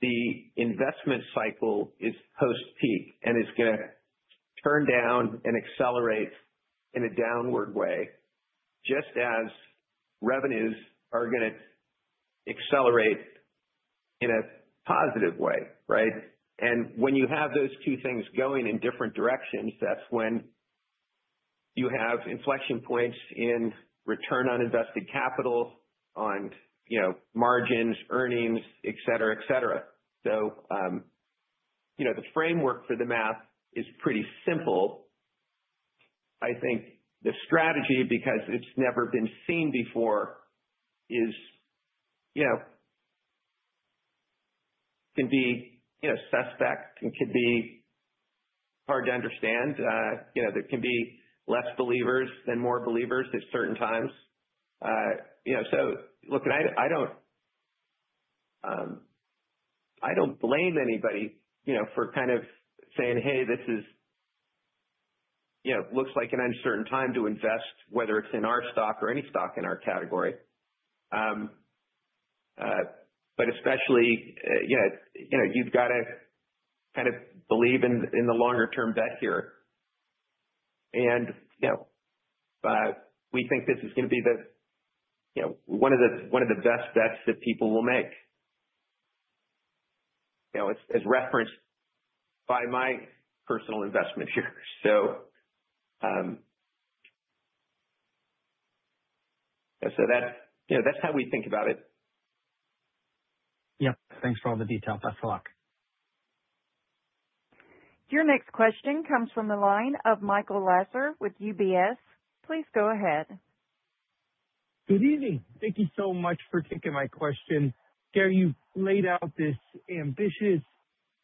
The investment cycle is post-peak, and it's gonna turn down and accelerate in a downward way, just as revenues are gonna accelerate in a positive way, right? When you have those two things going in different directions, that's when you have inflection points in return on invested capital, on, you know, margins, earnings, et cetera, et cetera. You know, the framework for the math is pretty simple. I think the strategy, because it's never been seen before, is, you know, can be, you know, suspect and can be hard to understand. You know, there can be less believers than more believers at certain times. You know, look, I don't blame anybody, you know, for kind of saying, "Hey, this is, you know, looks like an uncertain time to invest," whether it's in our stock or any stock in our category. Especially, you know, you've got to kind of believe in the longer term bet here. You know, we think this is gonna be the, you know, one of the best bets that people will make. You know, as referenced by my personal investment here. That's, you know, that's how we think about it. Yep. Thanks for all the details. Best of luck. Your next question comes from the line of Michael Lasser with UBS. Please go ahead. Good evening. Thank you so much for taking my question. Gary, you've laid out this ambitious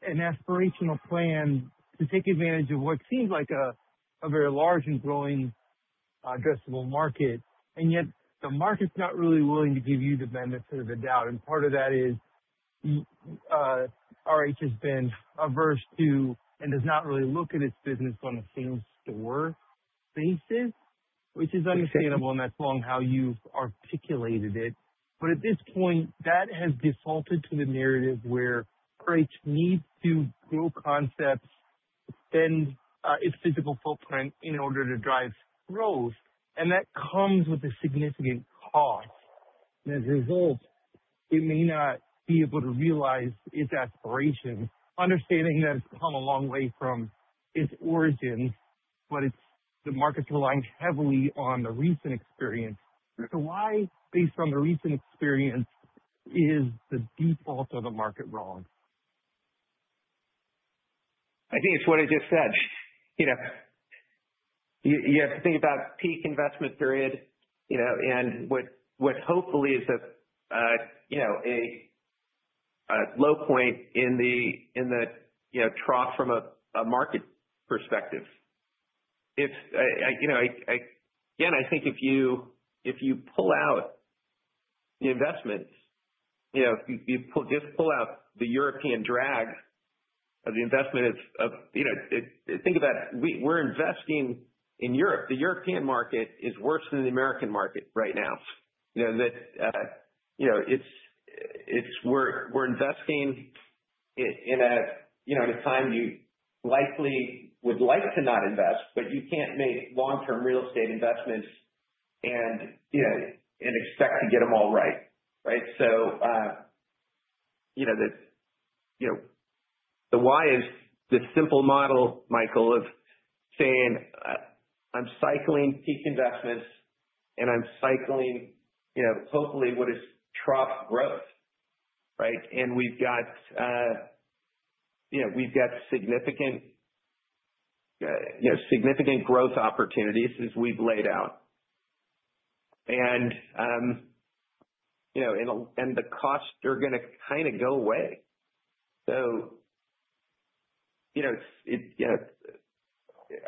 and aspirational plan to take advantage of what seems like a very large and growing addressable market. Yet the market's not really willing to give you the benefit of the doubt. Part of that is, RH has been averse to and does not really look at its business on a same store basis, which is understandable in the long haul how you've articulated it. At this point, that has defaulted to the narrative where RH needs to grow concepts, then, its physical footprint in order to drive growth. That comes with a significant cost. As a result, it may not be able to realize its aspirations. Understanding that it's come a long way from its origins, but the market's relying heavily on the recent experience. Why, based on the recent experience, is the default of the market wrong? I think it's what I just said. You know, you have to think about peak investment period, you know, and what hopefully is a low point in the trough from a market perspective. Again, I think if you pull out the investments, you know, just pull out the European drag of the investment, you know. Think about it. We're investing in Europe. The European market is worse than the American market right now. You know, that you know, it's that we're investing in a time you likely would like to not invest, but you can't make long-term real estate investments and, you know, expect to get them all right. Right? You know, the why is the simple model, Michael, of saying, I'm cycling peak investments and I'm cycling, you know, hopefully what is trough growth, right? We've got significant growth opportunities as we've laid out. The costs are gonna kinda go away. It's.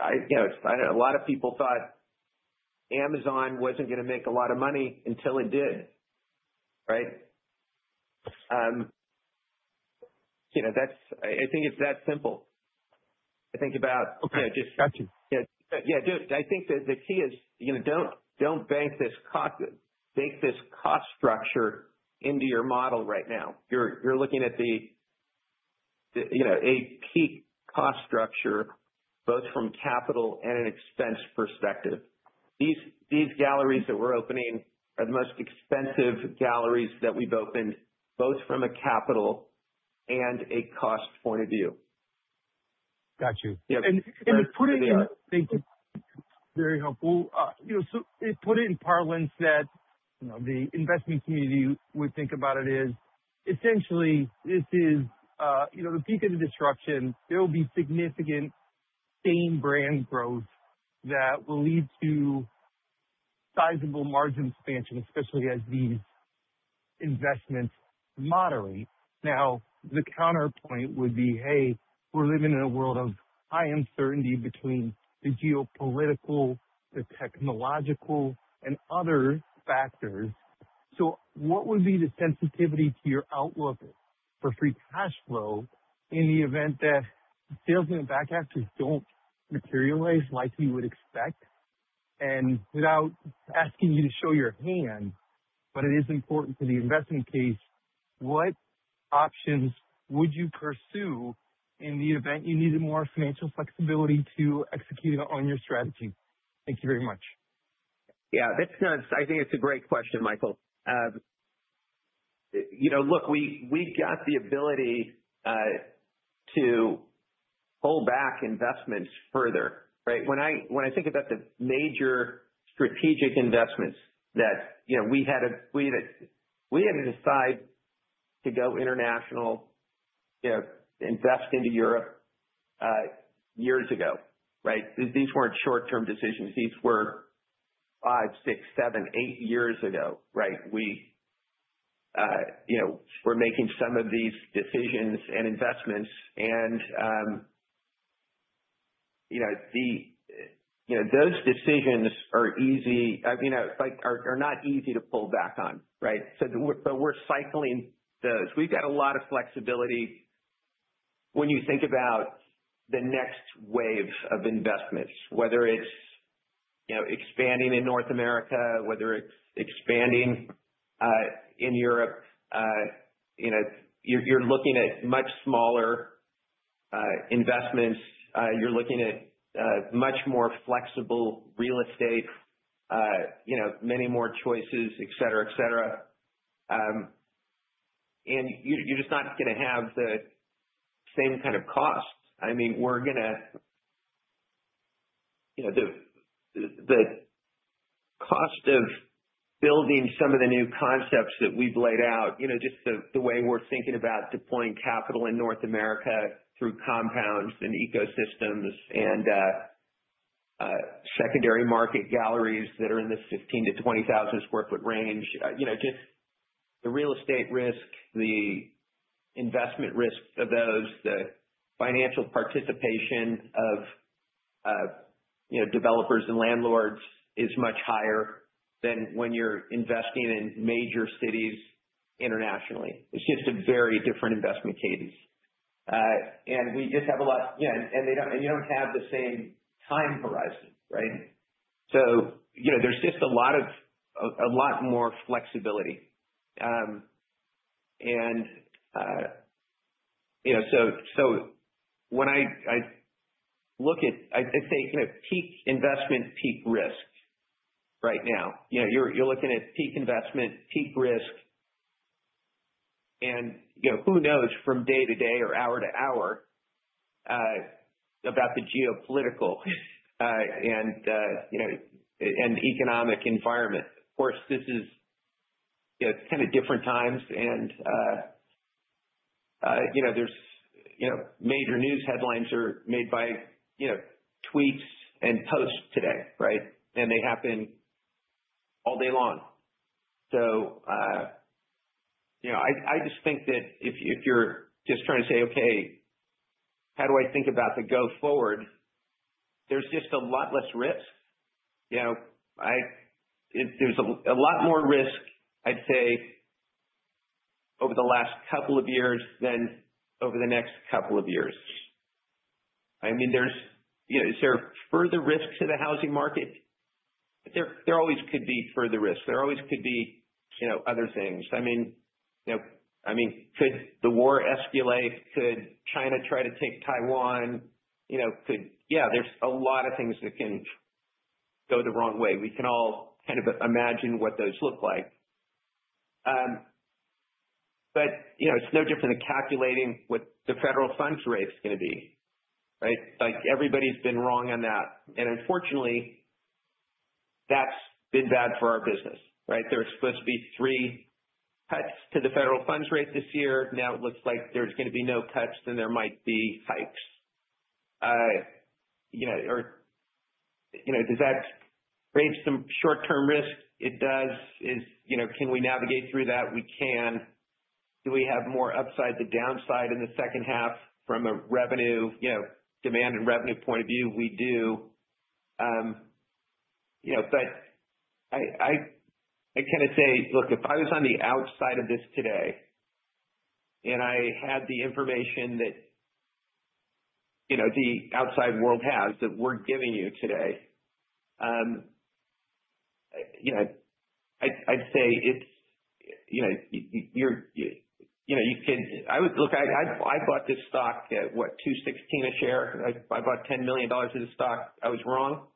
A lot of people thought Amazon wasn't gonna make a lot of money until it did, right? You know, that's. I think it's that simple. I think about- Okay. Got you. Yeah. Just, I think the key is, you know, don't bake this cost structure into your model right now. You're looking at the, you know, a peak cost structure, both from capital and an expense perspective. These galleries that we're opening are the most expensive galleries that we've opened, both from a capital and a cost point of view. Got you. Yeah. Thank you. Very helpful. You know, to put it in parlance that, you know, the investment community would think about it is essentially this is, you know, the peak of the disruption. There will be significant same brand growth that will lead to sizable margin expansion, especially as these investments moderate. Now, the counterpoint would be, hey, we're living in a world of high uncertainty between the geopolitical, the technological and other factors. What would be the sensitivity to your outlook for free cash flow in the event that sales and macro factors don't materialize like we would expect? Without asking you to show your hand, but it is important to the investment case, what options would you pursue in the event you needed more financial flexibility to execute on your strategy? Thank you very much. Yeah. That's not. I think it's a great question, Michael. You know, look, we've got the ability to pull back investments further, right? When I think about the major strategic investments that, you know, we had to decide to go international, you know, invest into Europe years ago, right? These weren't short-term decisions. These were five, six, seven, eight years ago, right? You know, we're making some of these decisions and investments and, you know, those decisions are easy. I mean, are not easy to pull back on, right? We're cycling those. We've got a lot of flexibility when you think about the next wave of investments, whether it's, you know, expanding in North America, whether it's expanding in Europe, you know, you're looking at much smaller investments. You're looking at much more flexible real estate. You know, many more choices, et cetera, et cetera. You're just not gonna have the same kind of costs. I mean, we're gonna. You know, the cost of building some of the new concepts that we've laid out, you know, just the way we're thinking about deploying capital in North America through compounds and ecosystems and secondary market galleries that are in the 15,000 sq ft-20,000 sq ft range. You know, the real estate risk, the investment risk of those, the financial participation of, you know, developers and landlords is much higher than when you're investing in major cities internationally. It's just a very different investment cadence. We just have a lot more flexibility. You don't have the same time horizon, right? You know, there's just a lot more flexibility. You know, so I'd say, you know, peak investment, peak risk right now. You know, you're looking at peak investment, peak risk, and, you know, who knows from day to day or hour to hour about the geopolitical and economic environment. Of course, this is, you know, kind of different times and, you know, there's, you know, major news headlines are made by, you know, tweets and posts today, right? They happen all day long. I just think that if you're just trying to say, "Okay, how do I think about the go forward?" There's just a lot less risk. You know, there's a lot more risk, I'd say, over the last couple of years than over the next couple of years. I mean, there's you know, is there further risk to the housing market? There always could be further risk. There always could be, you know, other things. I mean, you know, could the war escalate? Could China try to take Taiwan? You know, could Yeah, there's a lot of things that can go the wrong way. We can all kind of imagine what those look like. You know, it's no different than calculating what the federal funds rate's gonna be, right? Like, everybody's been wrong on that, and unfortunately, that's been bad for our business, right? There was supposed to be three cuts to the federal funds rate this year. Now it looks like there's gonna be no cuts, then there might be hikes. You know, does that raise some short-term risk? It does. You know, can we navigate through that? We can. Do we have more upside to downside in the second half from a revenue, you know, demand and revenue point of view? We do. I kinda say, look, if I was on the outside of this today, and I had the information that, you know, the outside world has, that we're giving you today, you know, I'd say it's. Look, I bought this stock at what, $216 a share. I bought $10 million of the stock. I was wrong.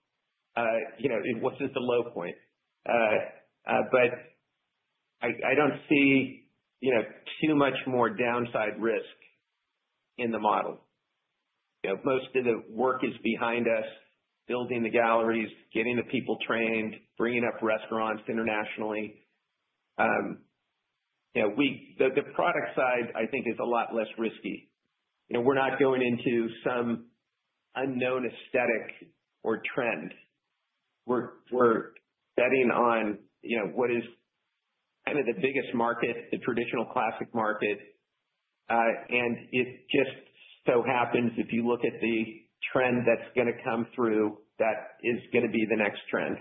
You know, it wasn't the low point. But I don't see, you know, too much more downside risk in the model. You know, most of the work is behind us, building the galleries, getting the people trained, bringing up restaurants internationally. You know, the product side I think is a lot less risky. You know, we're not going into some unknown aesthetic or trend. We're betting on, you know, what is kind of the biggest market, the traditional classic market. It just so happens, if you look at the trend that's gonna come through, that is gonna be the next trend.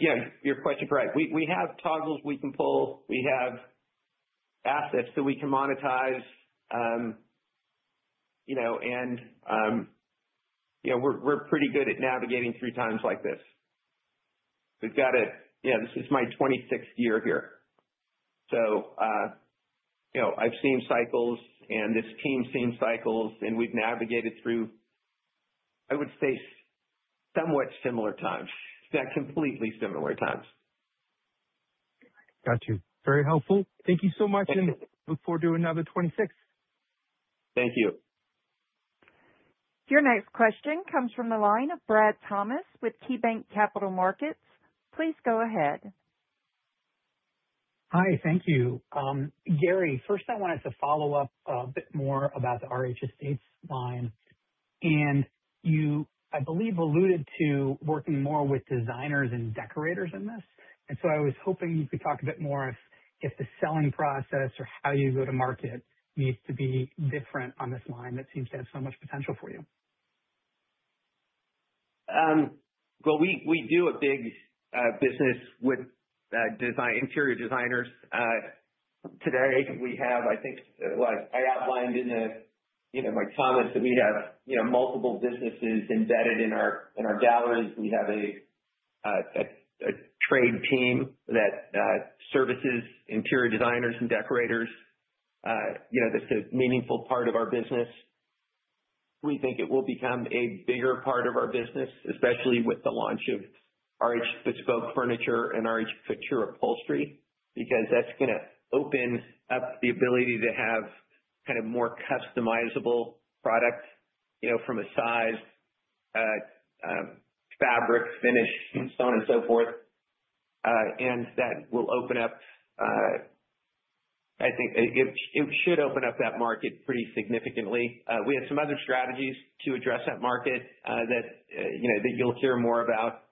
Yeah, your question, Brad. We have toggles we can pull. We have assets that we can monetize. We're pretty good at navigating through times like this. You know, this is my 26th year here, so, you know, I've seen cycles and this team's seen cycles, and we've navigated through, I would say, somewhat similar times. In fact, completely similar times. Got you. Very helpful. Thank you so much. Thank you. Look forward to another 26. Thank you. Your next question comes from the line of Brad Thomas with KeyBanc Capital Markets. Please go ahead. Hi. Thank you. Gary, first I wanted to follow up a bit more about the RH Estates line. You, I believe, alluded to working more with designers and decorators in this. I was hoping you could talk a bit more if the selling process or how you go to market needs to be different on this line that seems to have so much potential for you. Well, we do a big business with interior designers. Today we have, I think, what I outlined in my comments, you know, that we have, you know, multiple businesses embedded in our galleries. We have a trade team that services interior designers and decorators. You know, that's a meaningful part of our business. We think it will become a bigger part of our business, especially with the launch of RH Bespoke Furniture and RH Couture Upholstery, because that's gonna open up the ability to have kind of more customizable products, you know, from a size, fabric finish and so on and so forth. I think it should open up that market pretty significantly. We have some other strategies to address that market, you know, that you'll hear more about,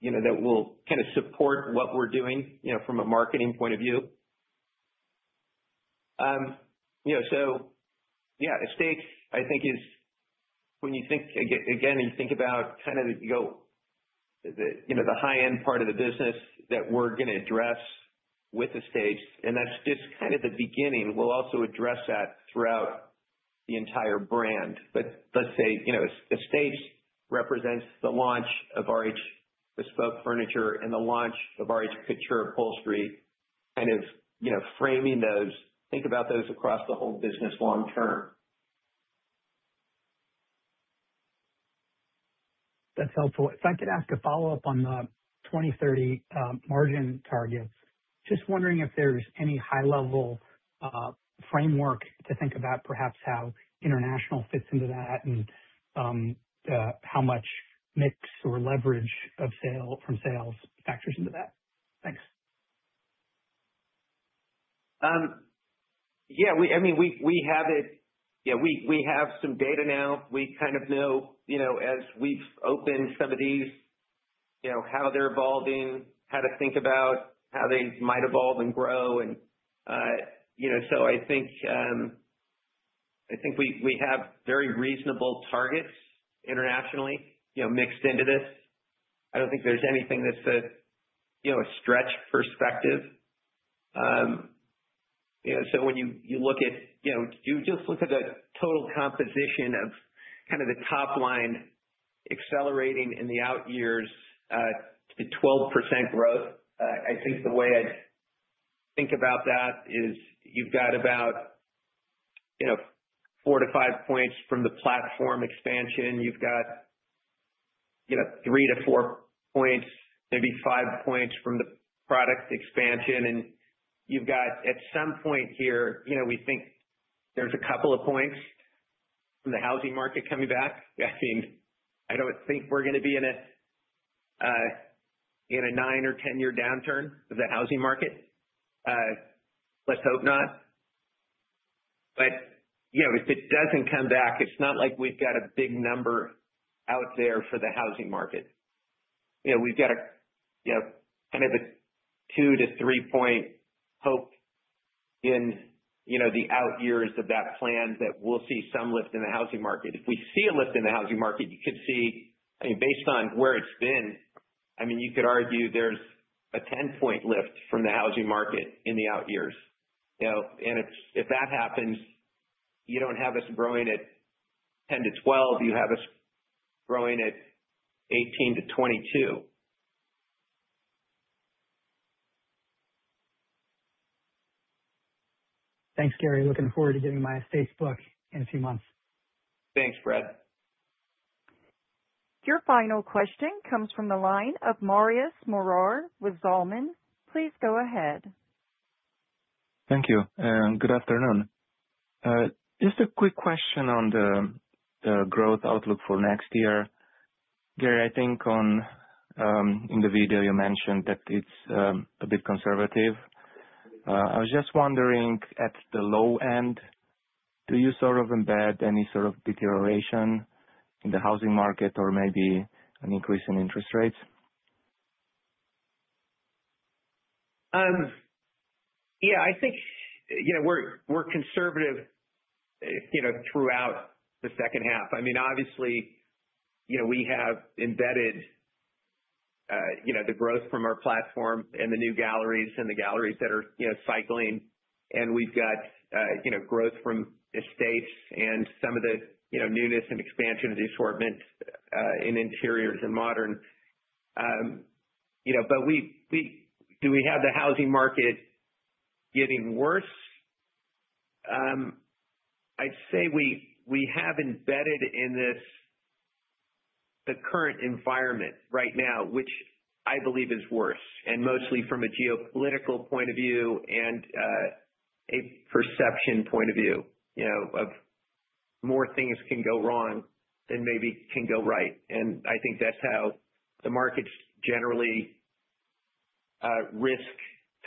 you know, that will kinda support what we're doing, you know, from a marketing point of view. You know, RH Estates, I think, is when you think about kind of the high-end part of the business that we're gonna address with RH Estates, and that's just kind of the beginning. We'll also address that throughout the entire brand. Let's say, you know, RH Estates represents the launch of RH Bespoke Furniture and the launch of RH Couture Upholstery, kind of, you know, framing those, think about those across the whole business long term. That's helpful. If I could ask a follow-up on the 2030 margin targets. Just wondering if there's any high-level framework to think about perhaps how international fits into that and how much mix or leverage of sales factors into that. Thanks. I mean, we have it. Yeah, we have some data now. We kind of know, you know, as we've opened some of these, you know, how they're evolving, how to think about how they might evolve and grow. I think we have very reasonable targets internationally, you know, mixed into this. I don't think there's anything that's a stretch perspective. When you look at the total composition of the top line accelerating in the out years to 12% growth, I think the way I'd think about that is you've got about 4-5 points from the platform expansion. You've got 3-4 points, maybe 5 points from the product expansion. You've got, at some point here, you know, we think there's a couple of points from the housing market coming back. I mean, I don't think we're gonna be in a nine or ten-year downturn of the housing market. Let's hope not. But, you know, if it doesn't come back, it's not like we've got a big number out there for the housing market. You know, we've got a, you know, kind of a 2-3 point hope in, you know, the out years of that plan that we'll see some lift in the housing market. If we see a lift in the housing market, you could see. I mean, based on where it's been, I mean, you could argue there's a 10-point lift from the housing market in the out years, you know. If that happens, you don't have us growing at 10%-12%, you have us growing at 18%-22%. Thanks, Gary. Looking forward to getting my Estates book in a few months. Thanks, Brad. Your final question comes from the line of Marius Morar with Zelman. Please go ahead. Thank you, and good afternoon. Just a quick question on the growth outlook for next year. Gary, I think on in the video you mentioned that it's a bit conservative. I was just wondering at the low end, do you sort of embed any sort of deterioration in the housing market or maybe an increase in interest rates? Yeah, I think, you know, we're conservative, you know, throughout the second half. I mean, obviously, you know, we have embedded, you know, the growth from our platform and the new galleries and the galleries that are, you know, cycling, and we've got, you know, growth from Estates and some of the, you know, newness and expansion of the assortments in interiors and modern. You know, but we... Do we have the housing market getting worse? I'd say we have embedded in this the current environment right now, which I believe is worse, and mostly from a geopolitical point of view and a perception point of view, you know, of more things can go wrong than maybe can go right. I think that's how the markets generally risk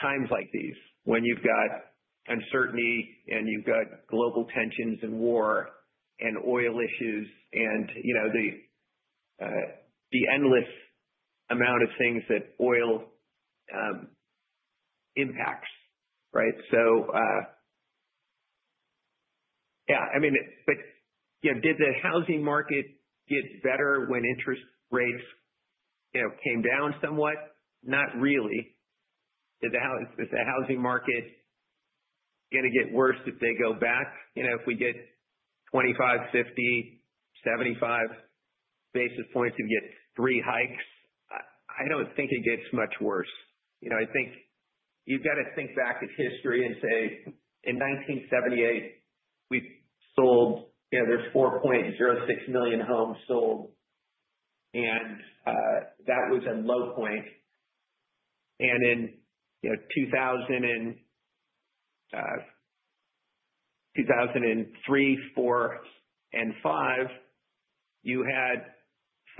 times like these, when you've got uncertainty and you've got global tensions and war and oil issues and, you know, the endless amount of things that oil impacts, right? Yeah, I mean, it's. You know, did the housing market get better when interest rates, you know, came down somewhat? Not really. Is the housing market gonna get worse if they go back? You know, if we get 25, 50, 75 basis points and get three hikes, I don't think it gets much worse. You know, I think you've gotta think back at history and say, in 1978, we sold, you know, there were 4.06 million homes sold, and that was a low point. And in 2003, 2004, and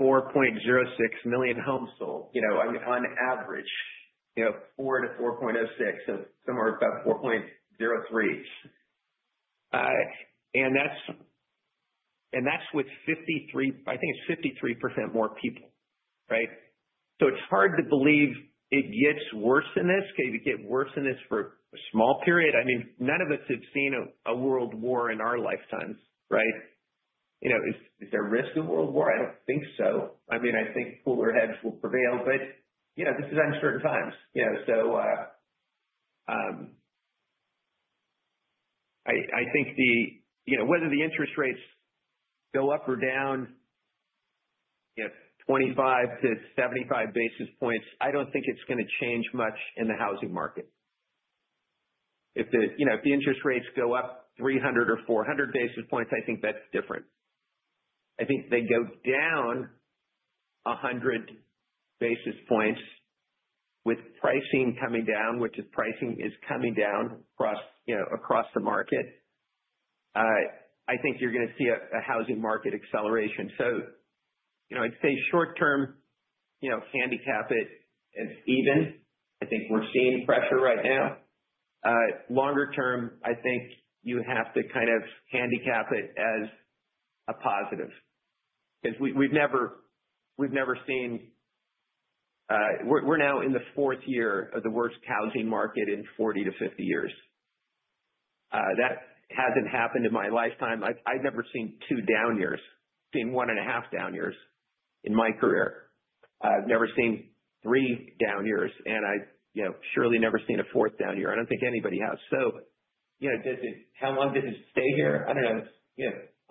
2005, you had 4.06 million homes sold. You know, on average, you know, 4 to 4.06. So somewhere about 4.03. And that's with 53% more people, right? So it's hard to believe it gets worse than this. Could it get worse than this for a small period? I mean, none of us have seen a World War in our lifetimes, right? You know, is there risk of World War? I don't think so. I mean, I think cooler heads will prevail, but you know, this is uncertain times. You know, so I think the- You know, whether the interest rates go up or down, you know, 25-75 basis points, I don't think it's gonna change much in the housing market. If the, you know, if the interest rates go up 300 or 400 basis points, I think that's different. I think if they go down 100 basis points with pricing coming down, which is pricing is coming down across, you know, across the market, I think you're gonna see a housing market acceleration. You know, I'd say short term, you know, handicap it's even. I think we're seeing pressure right now. Longer term, I think you have to kind of handicap it as a positive because we've never seen. We're now in the fourth year of the worst housing market in 40-50 years. That hasn't happened in my lifetime. I've never seen two down years. I've seen one and a half down years in my career. I've never seen three down years, and I've, you know, surely never seen a fourth down year. I don't think anybody has. You know, how long does it stay here?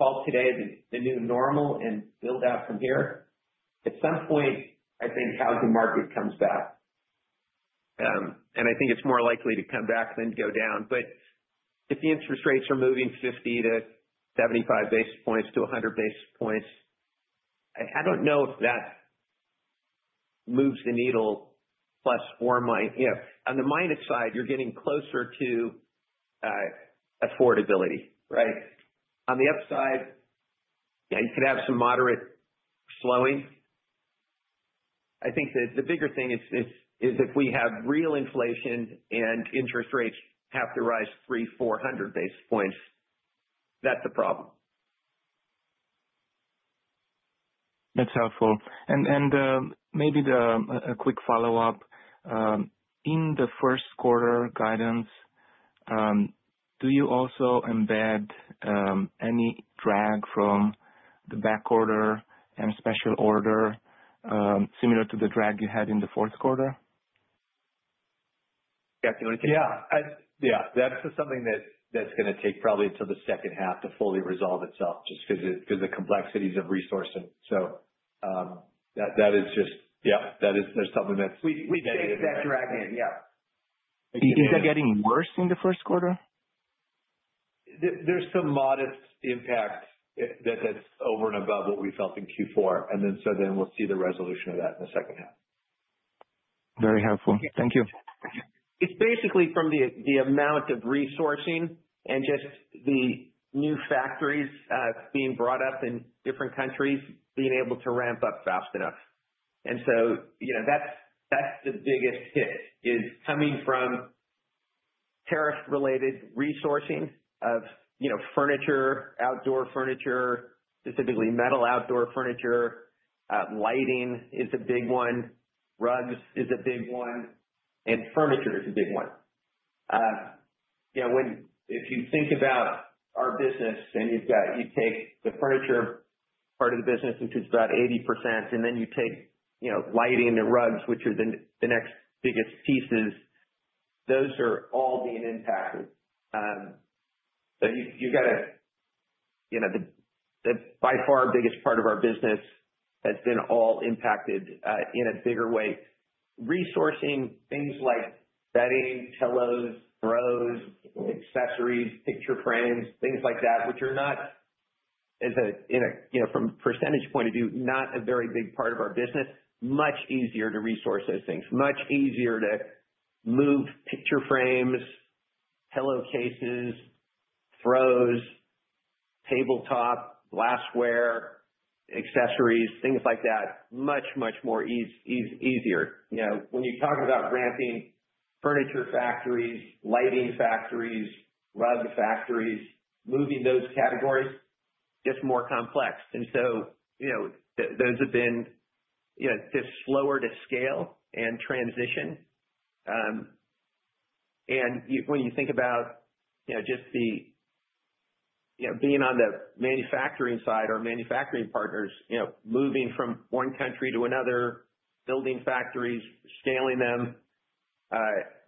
I don't know. You know, flat today is the new normal and build out from here. At some point, I think housing market comes back. I think it's more likely to come back than go down. If the interest rates are moving 50-75 basis points to 100 basis points, I don't know if that moves the needle plus or minus. You know, on the minus side, you're getting closer to affordability, right? On the upside, yeah, you could have some moderate slowing. I think the bigger thing is if we have real inflation and interest rates have to rise 300-400 basis points, that's a problem. That's helpful. Maybe a quick follow-up. In the first quarter guidance, do you also embed any drag from the back order and special order, similar to the drag you had in the fourth quarter? Yeah. Do you wanna take it? Yeah, that's something that's gonna take probably until the second half to fully resolve itself just because of the complexities of resourcing. There's something that's We baked that drag in. Yeah. Is that getting worse in the first quarter? There's some modest impact that's over and above what we felt in Q4, and then we'll see the resolution of that in the second half. Very helpful. Thank you. It's basically from the amount of resourcing and just the new factories being brought up in different countries being able to ramp up fast enough. You know, that's the biggest hit is coming from tariff related resourcing of, you know, furniture, outdoor furniture, specifically metal outdoor furniture. Lighting is a big one. Rugs is a big one, and furniture is a big one. You know, if you think about our business and you take the furniture part of the business, which is about 80%, and then you take, you know, lighting and rugs, which are the next biggest pieces, those are all being impacted. You know, the by far biggest part of our business has been all impacted in a bigger way. Resourcing things like bedding, pillows, throws, accessories, picture frames, things like that, which are, you know, from percentage point of view, not a very big part of our business, much easier to resource those things. Much easier to move picture frames, pillowcases, throws, tabletop, glassware, accessories, things like that, much more easier. You know, when you talk about ramping furniture factories, lighting factories, rug factories, moving those categories, just more complex. You know, those have been, you know, just slower to scale and transition. When you think about, you know, just the, you know, being on the manufacturing side or manufacturing partners, you know, moving from one country to another, building factories, scaling them,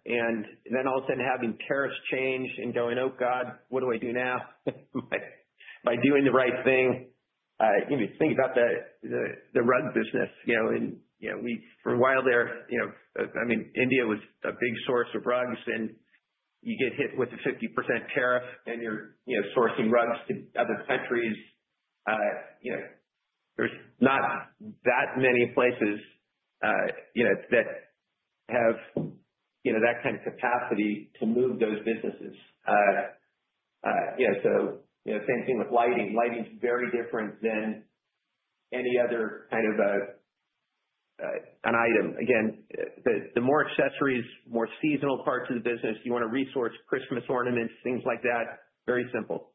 and then all of a sudden having tariffs change and going, "Oh, God, what do I do now?" By doing the right thing. You know, think about the rug business. For a while there, you know, I mean, India was a big source of rugs, and you get hit with a 50% tariff, and you're, you know, sourcing rugs to other countries. You know, there's not that many places, you know, that have, you know, that kind of capacity to move those businesses. You know, same thing with lighting. Lighting's very different than any other kind of an item. Again, the more accessories, more seasonal parts of the business, you wanna resource Christmas ornaments, things like that, very simple.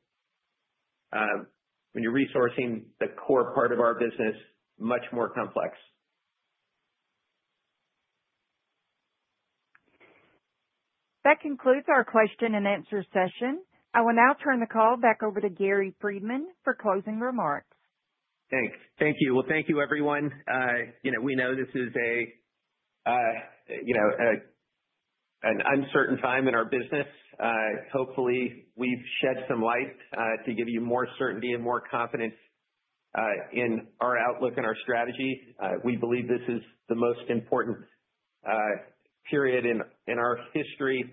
When you're resourcing the core part of our business, much more complex. That concludes our question and answer session. I will now turn the call back over to Gary Friedman for closing remarks. Thanks. Thank you. Well, thank you, everyone. You know, we know this is an uncertain time in our business. Hopefully, we've shed some light to give you more certainty and more confidence in our outlook and our strategy. We believe this is the most important period in our history.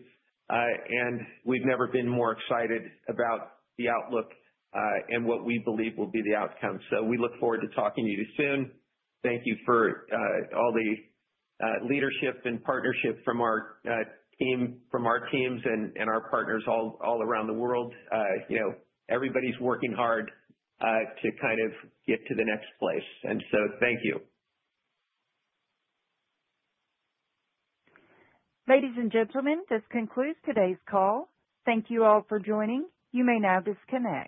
We've never been more excited about the outlook and what we believe will be the outcome. We look forward to talking to you soon. Thank you for all the leadership and partnership from our teams and our partners all around the world. You know, everybody's working hard to kind of get to the next place. Thank you. Ladies and gentlemen, this concludes today's call. Thank you all for joining. You may now disconnect.